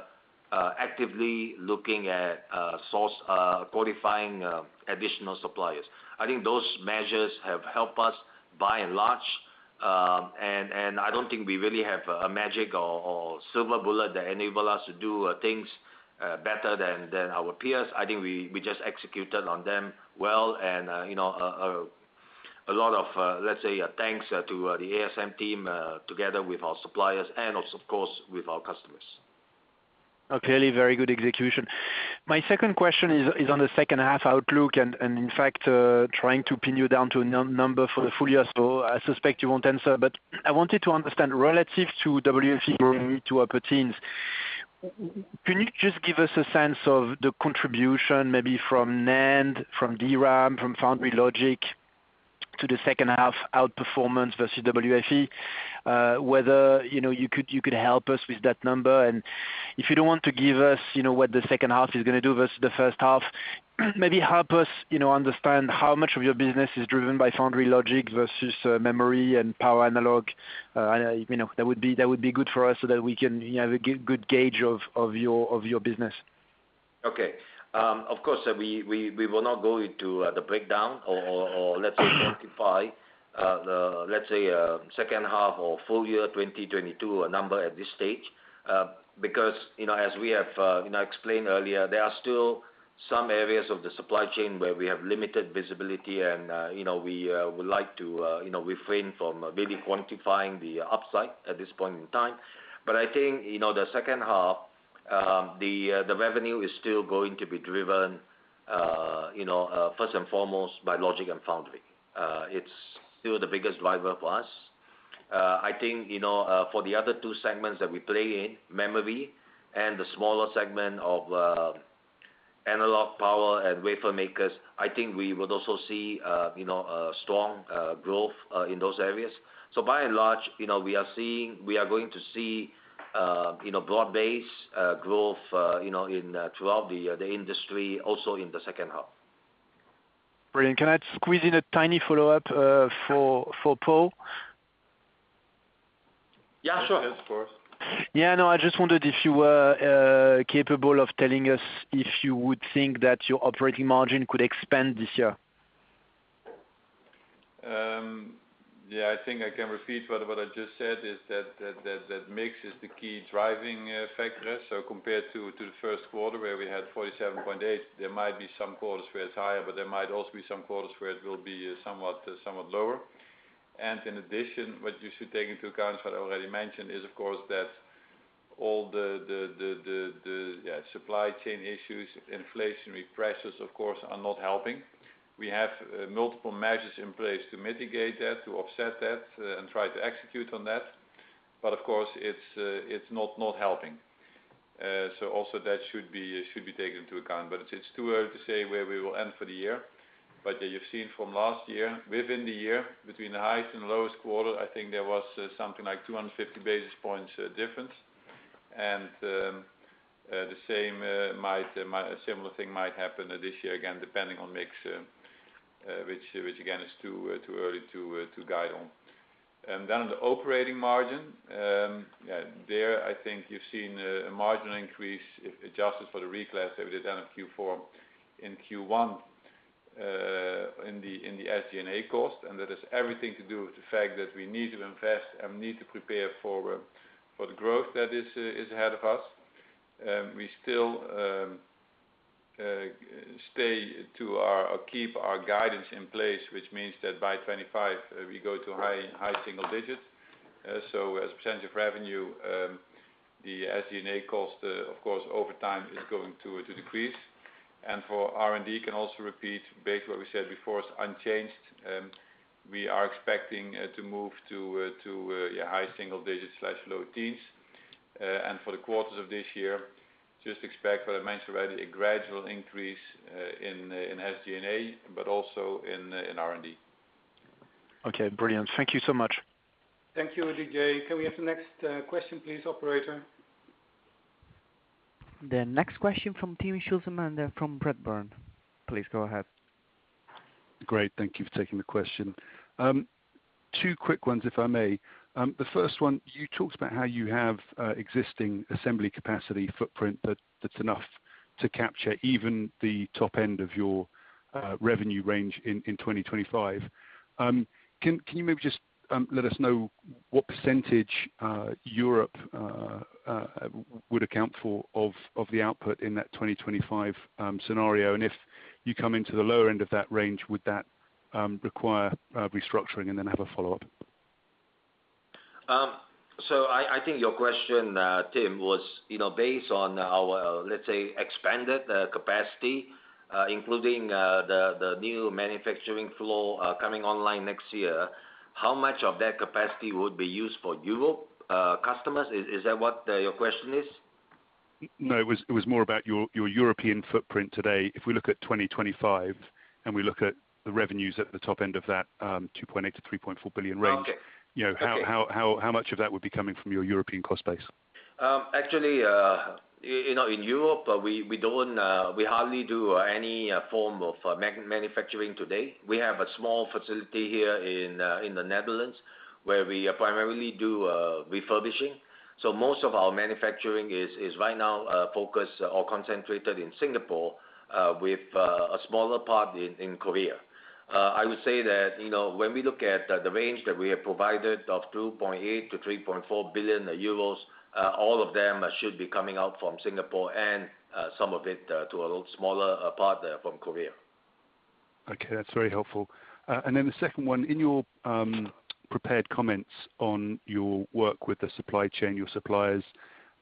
actively looking at, sourcing, qualifying, additional suppliers. I think those measures have helped us by and large, and I don't think we really have a magic or silver bullet that enable us to do, things, better than our peers. I think we just executed on them well and, you know, a lot of, let's say, thanks to the ASM team, together with our suppliers and also, of course, with our customers. Okay. Very good execution. My second question is on the second half outlook and, in fact, trying to pin you down to a number for the full year, so I suspect you won't answer, but I wanted to understand relative to WFE growing to upper teens, would you just give us a sense of the contribution maybe from NAND, from DRAM, from Foundry Logic to the second half outperformance versus WFE? Whether, you know, you could help us with that number, and if you don't want to give us, you know, what the second half is gonna do versus the first half, maybe help us, you know, understand how much of your business is driven by Foundry Logic versus memory and power analog. You know, that would be good for us so that we can have a good gauge of your business. Okay. Of course, we will not go into the breakdown or let's say quantify the let's say second half or full year 2022 number at this stage, because you know, as we have you know explained earlier, there are still some areas of the supply chain where we have limited visibility and you know, we would like to you know refrain from really quantifying the upside at this point in time. I think you know, the second half the revenue is still going to be driven you know first and foremost by Logic and Foundry. It's still the biggest driver for us. I think, you know, for the other two segments that we play in, memory and the smaller segment of analog power and wafer makers, I think we would also see, you know, strong growth, you know, in those areas. By and large, you know, we are seeing, we are going to see, you know, broad-based growth, you know, throughout the industry also in the second half. Brilliant. Can I squeeze in a tiny follow-up for Paul? Yeah, sure. Yes, of course. Yeah, no, I just wondered if you were capable of telling us if you would think that your operating margin could expand this year? Yeah, I think I can repeat what I just said is that mix is the key driving factor. Compared to the first quarter where we had 47.8%, there might be some quarters where it's higher, but there might also be some quarters where it will be somewhat lower. In addition, what you should take into account, what I already mentioned, is of course, that all the supply chain issues, inflationary pressures of course are not helping. We have multiple measures in place to mitigate that, to offset that, and try to execute on that. Of course, it's not helping. Also that should be taken into account. It's too early to say where we will end for the year. You've seen from last year, within the year, between the highest and lowest quarter, I think there was something like 250 basis points difference. The same might. A similar thing might happen this year, again, depending on mix, which again is too early to guide on. Then on the operating margin, I think you've seen a marginal increase if adjusted for the reclass that we did down in Q4, in Q1, in the SG&A cost, and that has everything to do with the fact that we need to invest and we need to prepare for the growth that is ahead of us. We still keep our guidance in place, which means that by 2025, we go to high single digits. As a percentage of revenue, the SG&A cost, of course, over time is going to decrease. For R&D, we can also repeat basically what we said before, it's unchanged. We are expecting to move to high single digits-low teens. For the quarters of this year, just expect what I mentioned already, a gradual increase in SG&A, but also in R&D. Okay, brilliant. Thank you so much. Thank you, Didier. Can we have the next question please, operator? The next question from Timm Schulze-Melander, and from Redburn. Please go ahead. Great, thank you for taking the question. Two quick ones, if I may. The first one, you talked about how you have existing assembly capacity footprint that's enough to capture even the top end of your revenue range in 2025. Can you maybe just let us know what percentage Europe would account for of the output in that 2025 scenario? If you come into the lower end of that range, would that require restructuring? I have a follow-up. I think your question, Tim, was, you know, based on our, let's say, expanded capacity, including the new manufacturing flow coming online next year. How much of that capacity would be used for European customers? Is that what your question is? No, it was more about your European footprint today. If we look at 2025, and we look at the revenues at the top end of that, 2.8 billion-3.4 billion range. Okay. You know, how much of that would be coming from your European cost base? Actually, you know, in Europe, we don't hardly do any form of manufacturing today. We have a small facility here in the Netherlands where we primarily do refurbishing. Most of our manufacturing is right now focused or concentrated in Singapore, with a smaller part in Korea. I would say that, you know, when we look at the range that we have provided of 2.8 billion-3.4 billion euros, all of them should be coming out from Singapore and some of it to a little smaller part from Korea. Okay, that's very helpful. Then the second one, in your prepared comments on your work with the supply chain, your suppliers,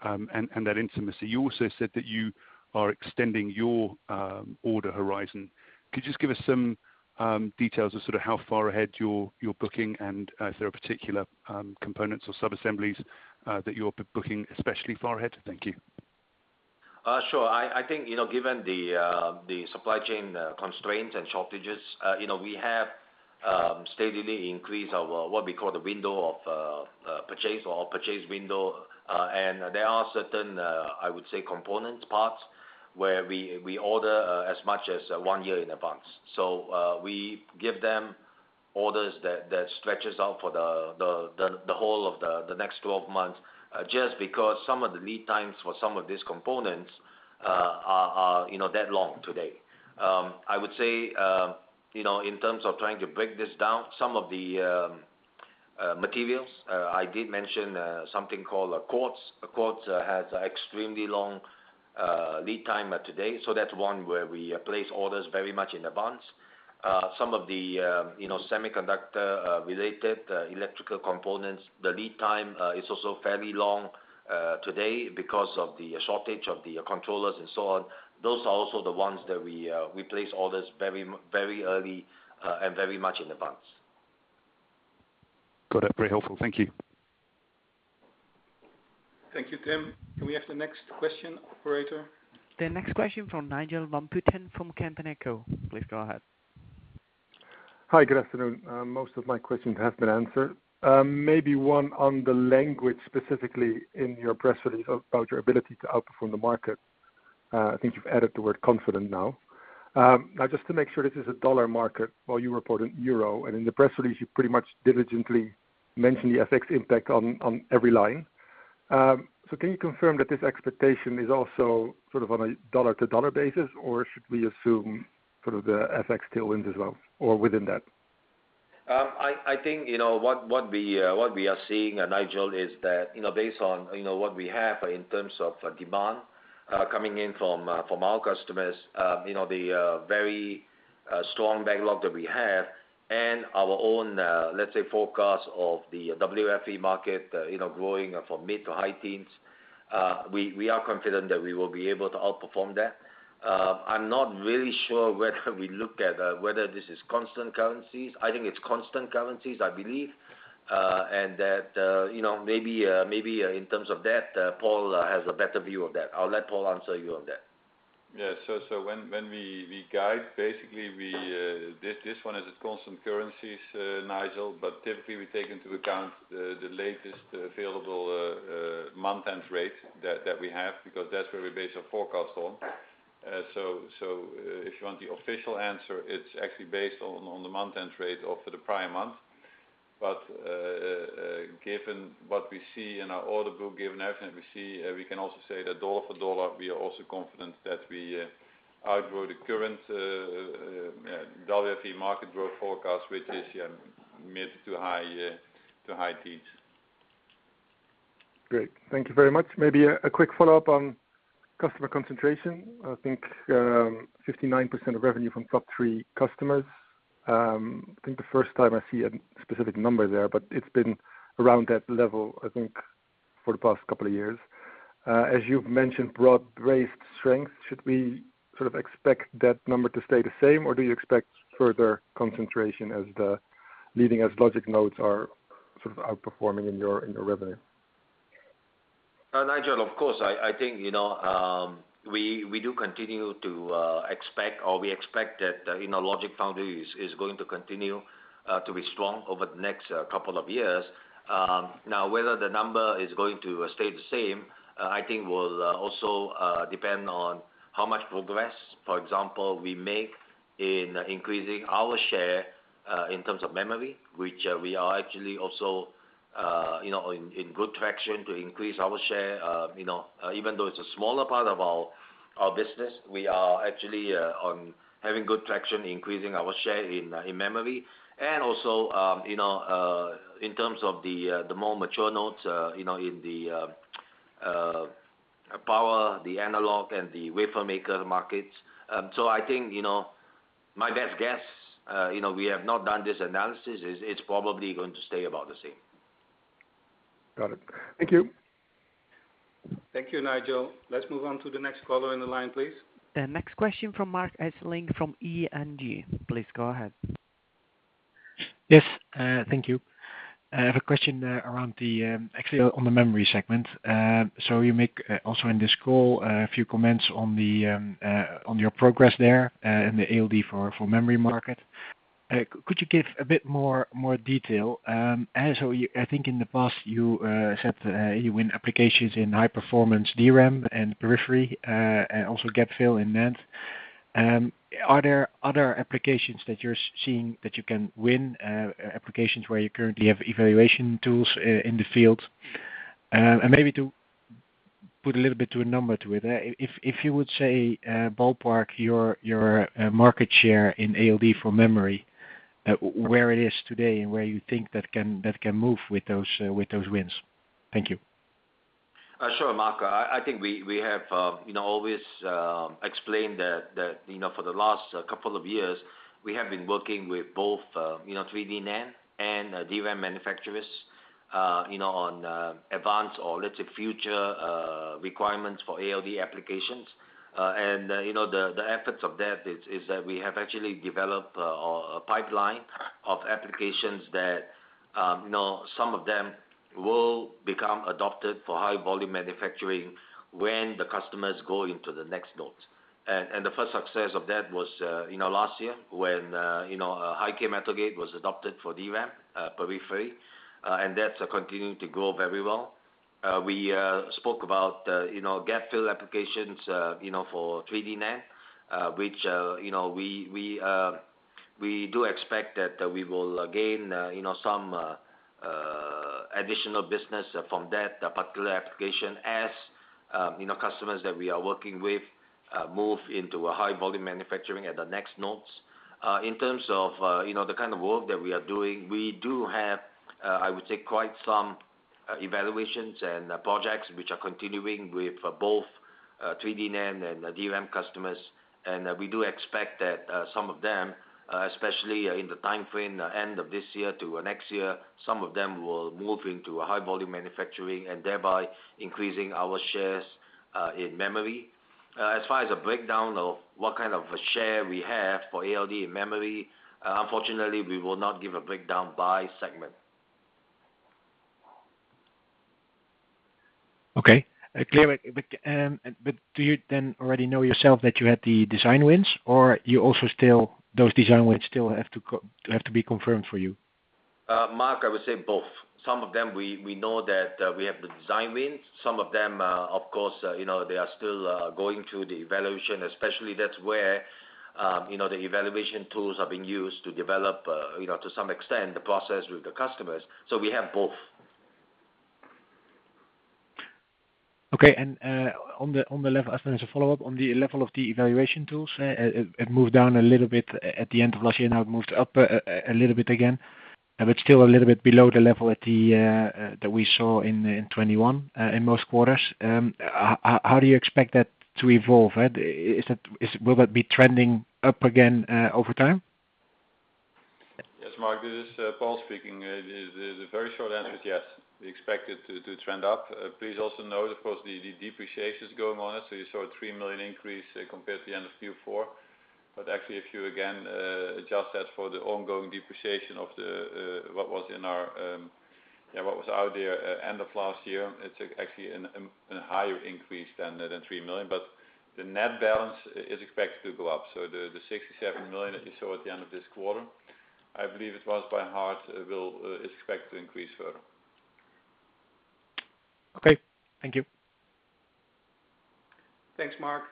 and that intimacy, you also said that you are extending your order horizon. Could you just give us some details of sort of how far ahead you're booking? Is there particular components or sub-assemblies that you're booking especially far ahead? Thank you. Sure. I think, you know, given the supply chain constraints and shortages, you know, we have steadily increased our, what we call the window of purchase or purchase window. There are certain, I would say, component parts where we order as much as one year in advance. We give them orders that stretches out for the whole of the next 12 months just because some of the lead times for some of these components are, you know, that long today. I would say, you know, in terms of trying to break this down, some of the materials I did mention something called a quartz. A quartz has extremely long lead time today, so that's one where we place orders very much in advance. Some of the, you know, semiconductor-related electrical components, the lead time is also fairly long today because of the shortage of the controllers and so on. Those are also the ones that we place orders very early and very much in advance. Got it. Very helpful. Thank you. Thank you, Timm. Can we have the next question, operator? The next question from Nigel van Putten from Kempen & Co, please go ahead. Hi, good afternoon. Most of my questions have been answered. Maybe one on the language, specifically in your press release about your ability to outperform the market. I think you've added the word confident now. Now just to make sure this is a dollar market, while you report in euro, and in the press release, you pretty much diligently mention the FX impact on every line. Can you confirm that this expectation is also sort of on a dollar-to-dollar basis, or should we assume sort of the FX tailwinds as well, or within that? I think, you know, what we are seeing, Nigel, is that, you know, based on, you know, what we have in terms of demand coming in from our customers, you know, the very strong backlog that we have and our own, let's say, forecast of the WFE market, you know, growing mid- to high-teens %, we are confident that we will be able to outperform that. I'm not really sure whether we looked at whether this is constant currencies. I think it's constant currencies, I believe. That, you know, maybe in terms of that, Paul has a better view of that. I'll let Paul answer you on that. Yeah, when we guide, basically this one is at constant currencies, Nigel, but typically we take into account the latest available month-end rate that we have, because that's where we base our forecast on. If you want the official answer, it's actually based on the month-end rate of the prior month. Given what we see in our order book, given everything that we see, we can also say that dollar for dollar we are also confident that we outgrow the current WFE market growth forecast, which is, yeah, mid- to high-teens%. Great. Thank you very much. Maybe a quick follow-up on customer concentration. I think 59% of revenue from top three customers. I think the first time I see a specific number there, but it's been around that level, I think, for the past couple of years. As you've mentioned, broad-based strength, should we sort of expect that number to stay the same? Or do you expect further concentration as the leading Logic nodes are sort of outperforming in your revenue? Nigel, of course, I think, you know, we do continue to expect or we expect that, you know, Logic Foundry is going to continue to be strong over the next couple of years. Now, whether the number is going to stay the same, I think will also depend on how much progress, for example, we make in increasing our share in terms of memory, which we are actually also you know in good traction to increase our share. You know, even though it's a smaller part of our business, we are actually having good traction, increasing our share in memory and also, you know, in terms of the more mature nodes, you know, in the power, the analog and the wafer maker markets. I think, you know, my best guess, you know, we have not done this analysis, is it's probably going to stay about the same. Got it. Thank you. Thank you, Nigel. Let's move on to the next caller in the line, please. The next question from Marc Hesselink from ING. Please go ahead. Yes, thank you. I have a question around actually on the memory segment. You make also in this call a few comments on your progress there in the ALD for memory market. Could you give a bit more detail? I think in the past you said you win applications in high performance DRAM and periphery and also gapfill in NAND. Are there other applications that you're seeing that you can win, applications where you currently have evaluation tools in the field? Maybe to put a little bit to a number to it. If you would say ballpark your market share in ALD for memory, where it is today and where you think that can move with those wins? Thank you. Sure, Marc. I think we have you know, always explained that you know, for the last couple of years, we have been working with both, you know, 3D NAND and DRAM manufacturers, you know, on advanced or, let's say, future requirements for ALD applications. You know, the efforts of that is that we have actually developed a pipeline of applications that, you know, some of them will become adopted for high-volume manufacturing when the customers go into the next nodes. The first success of that was, you know, last year when, you know, high-k metal gate was adopted for DRAM periphery, and that's continuing to grow very well. We spoke about, you know, gapfill applications, you know, for 3D NAND, which, you know, we do expect that we will gain, you know, some additional business from that particular application as, you know, customers that we are working with move into a high-volume manufacturing at the next nodes. In terms of, you know, the kind of work that we are doing, we do have, I would say, quite some evaluations and projects which are continuing with both 3D NAND and DRAM customers. We do expect that some of them, especially, in the timeframe end of this year to next year, some of them will move into a high-volume manufacturing and thereby increasing our shares in memory. As far as a breakdown of what kind of a share we have for ALD in memory, unfortunately, we will not give a breakdown by segment. Okay. Clear. Do you then already know yourself that you had the design wins or you also still, those design wins still have to be confirmed for you? Marc, I would say both. Some of them we know that we have the design wins. Some of them, of course, you know, they are still going through the evaluation, especially that's where, you know, the evaluation tools are being used to develop, you know, to some extent the process with the customers. We have both. Okay. As a follow-up, on the level of the evaluation tools, it moved down a little bit at the end of last year. Now it moved up a little bit again, but still a little bit below the level that we saw in 2021 in most quarters. How do you expect that to evolve, right? Will that be trending up again over time? Yes, Mark, this is Paul speaking. The very short answer is yes. We expect it to trend up. Please also note, of course, the depreciation is going on. You saw a 3 million increase compared to the end of Q4. Actually, if you again adjust that for the ongoing depreciation of what was out there end of last year, it's actually a higher increase than the 3 million. But the net balance is expected to go up. So the 67 million that you saw at the end of this quarter, I believe it was by heart, is expected to increase further. Okay. Thank you. Thanks, Marc.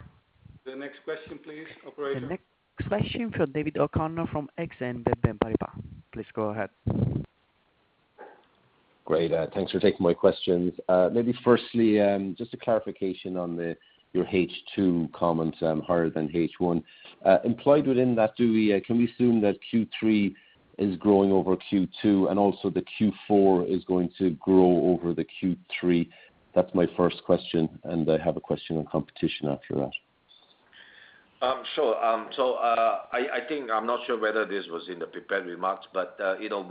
The next question, please, operator. The next question from David O'Connor from Exane BNP Paribas. Please go ahead. Great. Thanks for taking my questions. Maybe firstly, just a clarification on your H2 comments, higher than H1. Implied within that guidance, can we assume that Q3 is growing over Q2 and also the Q4 is going to grow over the Q3? That's my first question, and I have a question on competition after that. Sure. I think I'm not sure whether this was in the prepared remarks, but you know,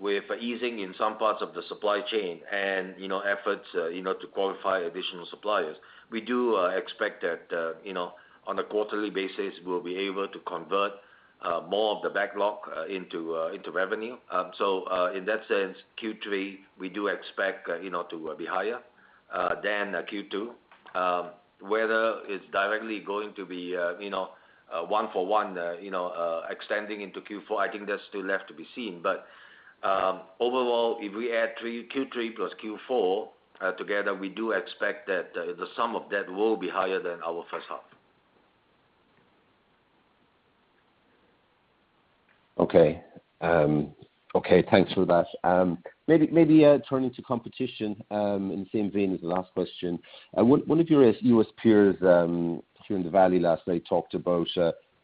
with easing in some parts of the supply chain and you know, efforts you know, to qualify additional suppliers, we do expect that you know, on a quarterly basis, we'll be able to convert more of the backlog into revenue. In that sense, Q3, we do expect you know, to be higher than Q2. Whether it's directly going to be you know, one for one you know, extending into Q4, I think that's still left to be seen. Overall, if we add Q3 + Q4 together, we do expect that the sum of that will be higher than our first half. Okay, thanks for that. Maybe turning to competition in the same vein as the last question. One of your U.S. peers here in the Valley last night talked about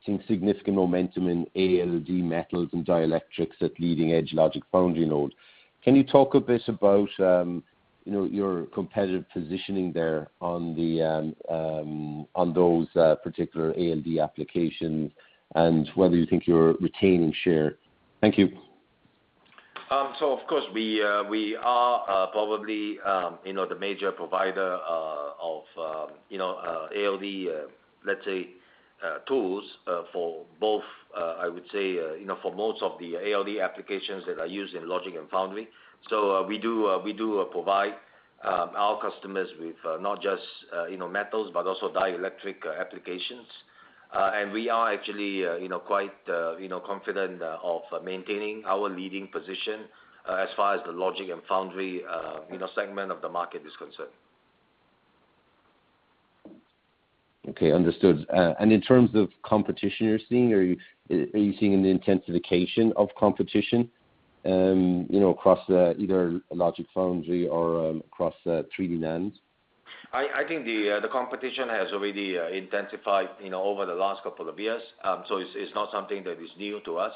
seeing significant momentum in ALD metals and dielectrics at leading edge Logic Foundry node. Can you talk a bit about, you know, your competitive positioning there on those particular ALD applications and whether you think you're retaining share? Thank you. Of course, we are probably, you know, the major provider of ALD, let's say, tools for both, I would say, you know, for most of the ALD applications that are used in Logic and Foundry. We provide our customers with not just, you know, metals, but also dielectric applications. We are actually, you know, quite, you know, confident of maintaining our leading position as far as the Logic and Foundry, you know, segment of the market is concerned. Okay. Understood. In terms of competition you're seeing, are you seeing an intensification of competition, you know, across either Logic Foundry or 3D NAND? I think the competition has already intensified, you know, over the last couple of years. It's not something that is new to us.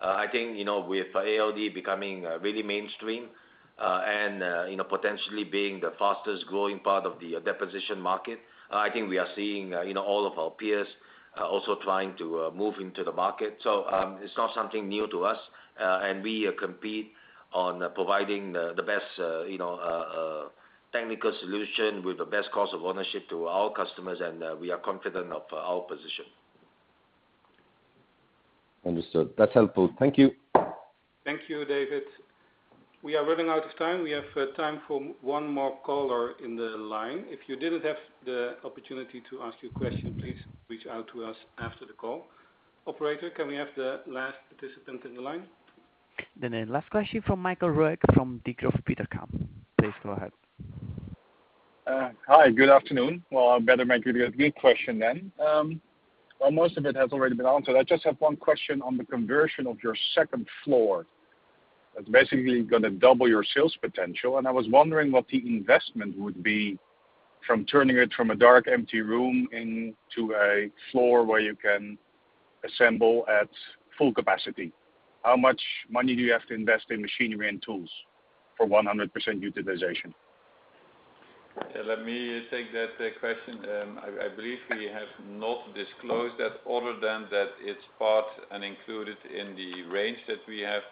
I think, you know, with ALD becoming really mainstream, and you know, potentially being the fastest-growing part of the deposition market, I think we are seeing, you know, all of our peers also trying to move into the market. It's not something new to us, and we compete on providing the best, you know, technical solution with the best cost of ownership to our customers, and we are confident of our position. Understood. That's helpful. Thank you. Thank you, David. We are running out of time. We have time for one more caller in the line. If you didn't have the opportunity to ask your question, please reach out to us after the call. Operator, can we have the last participant in the line? The last question from Michael Roeg from Degroof Petercam. Please go ahead. Hi. Good afternoon. Well, I better make it a good question then. Well, most of it has already been answered. I just have one question on the conversion of your second floor. That's basically gonna double your sales potential. I was wondering what the investment would be from turning it from a dark, empty room into a floor where you can assemble at full capacity. How much money do you have to invest in machinery and tools for 100% utilization? Let me take that question. I believe we have not disclosed that other than that it's part and included in the range that we have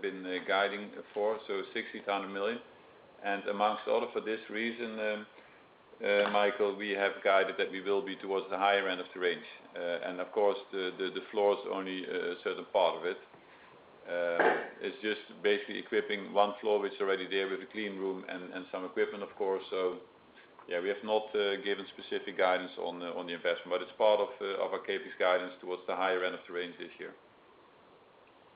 been guiding for, so 60,000 million. Among all for this reason, Michael, we have guided that we will be towards the higher end of the range. Of course, the floor is only a certain part of it. It's just basically equipping one floor, which is already there with a clean room and some equipment, of course. Yeah, we have not given specific guidance on the investment, but it's part of our CapEx guidance towards the higher end of the range this year.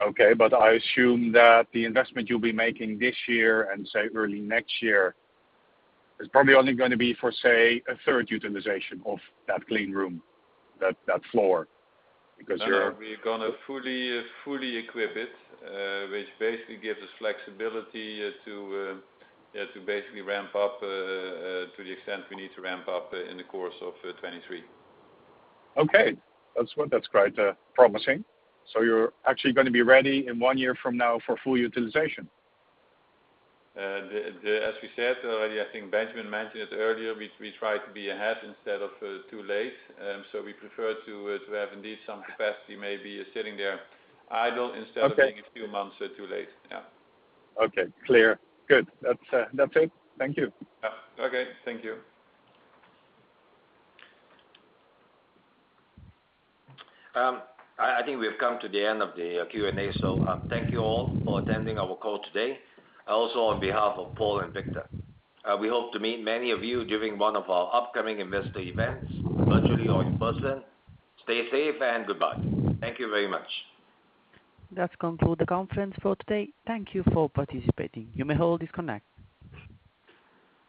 Okay. I assume that the investment you'll be making this year and say early next year is probably only gonna be for, say, a third utilization of that clean room, that floor, because you're- No. We're gonna fully equip it, which basically gives us flexibility to, yeah, to basically ramp up, to the extent we need to ramp up in the course of 2023. Okay. That's quite promising. You're actually gonna be ready in one year from now for full utilization? As we said already, I think Benjamin mentioned it earlier, we try to be ahead instead of too late. We prefer to have indeed some capacity maybe sitting there idle instead of being a few months too late. Yeah. Okay, clear. Good. That's it. Thank you. Yeah. Okay. Thank you. I think we've come to the end of the Q&A. Thank you all for attending our call today, also on behalf of Paul and Victor. We hope to meet many of you during one of our upcoming investor events, virtually or in person. Stay safe and goodbye. Thank you very much. That concludes the conference for today. Thank you for participating. You may all disconnect.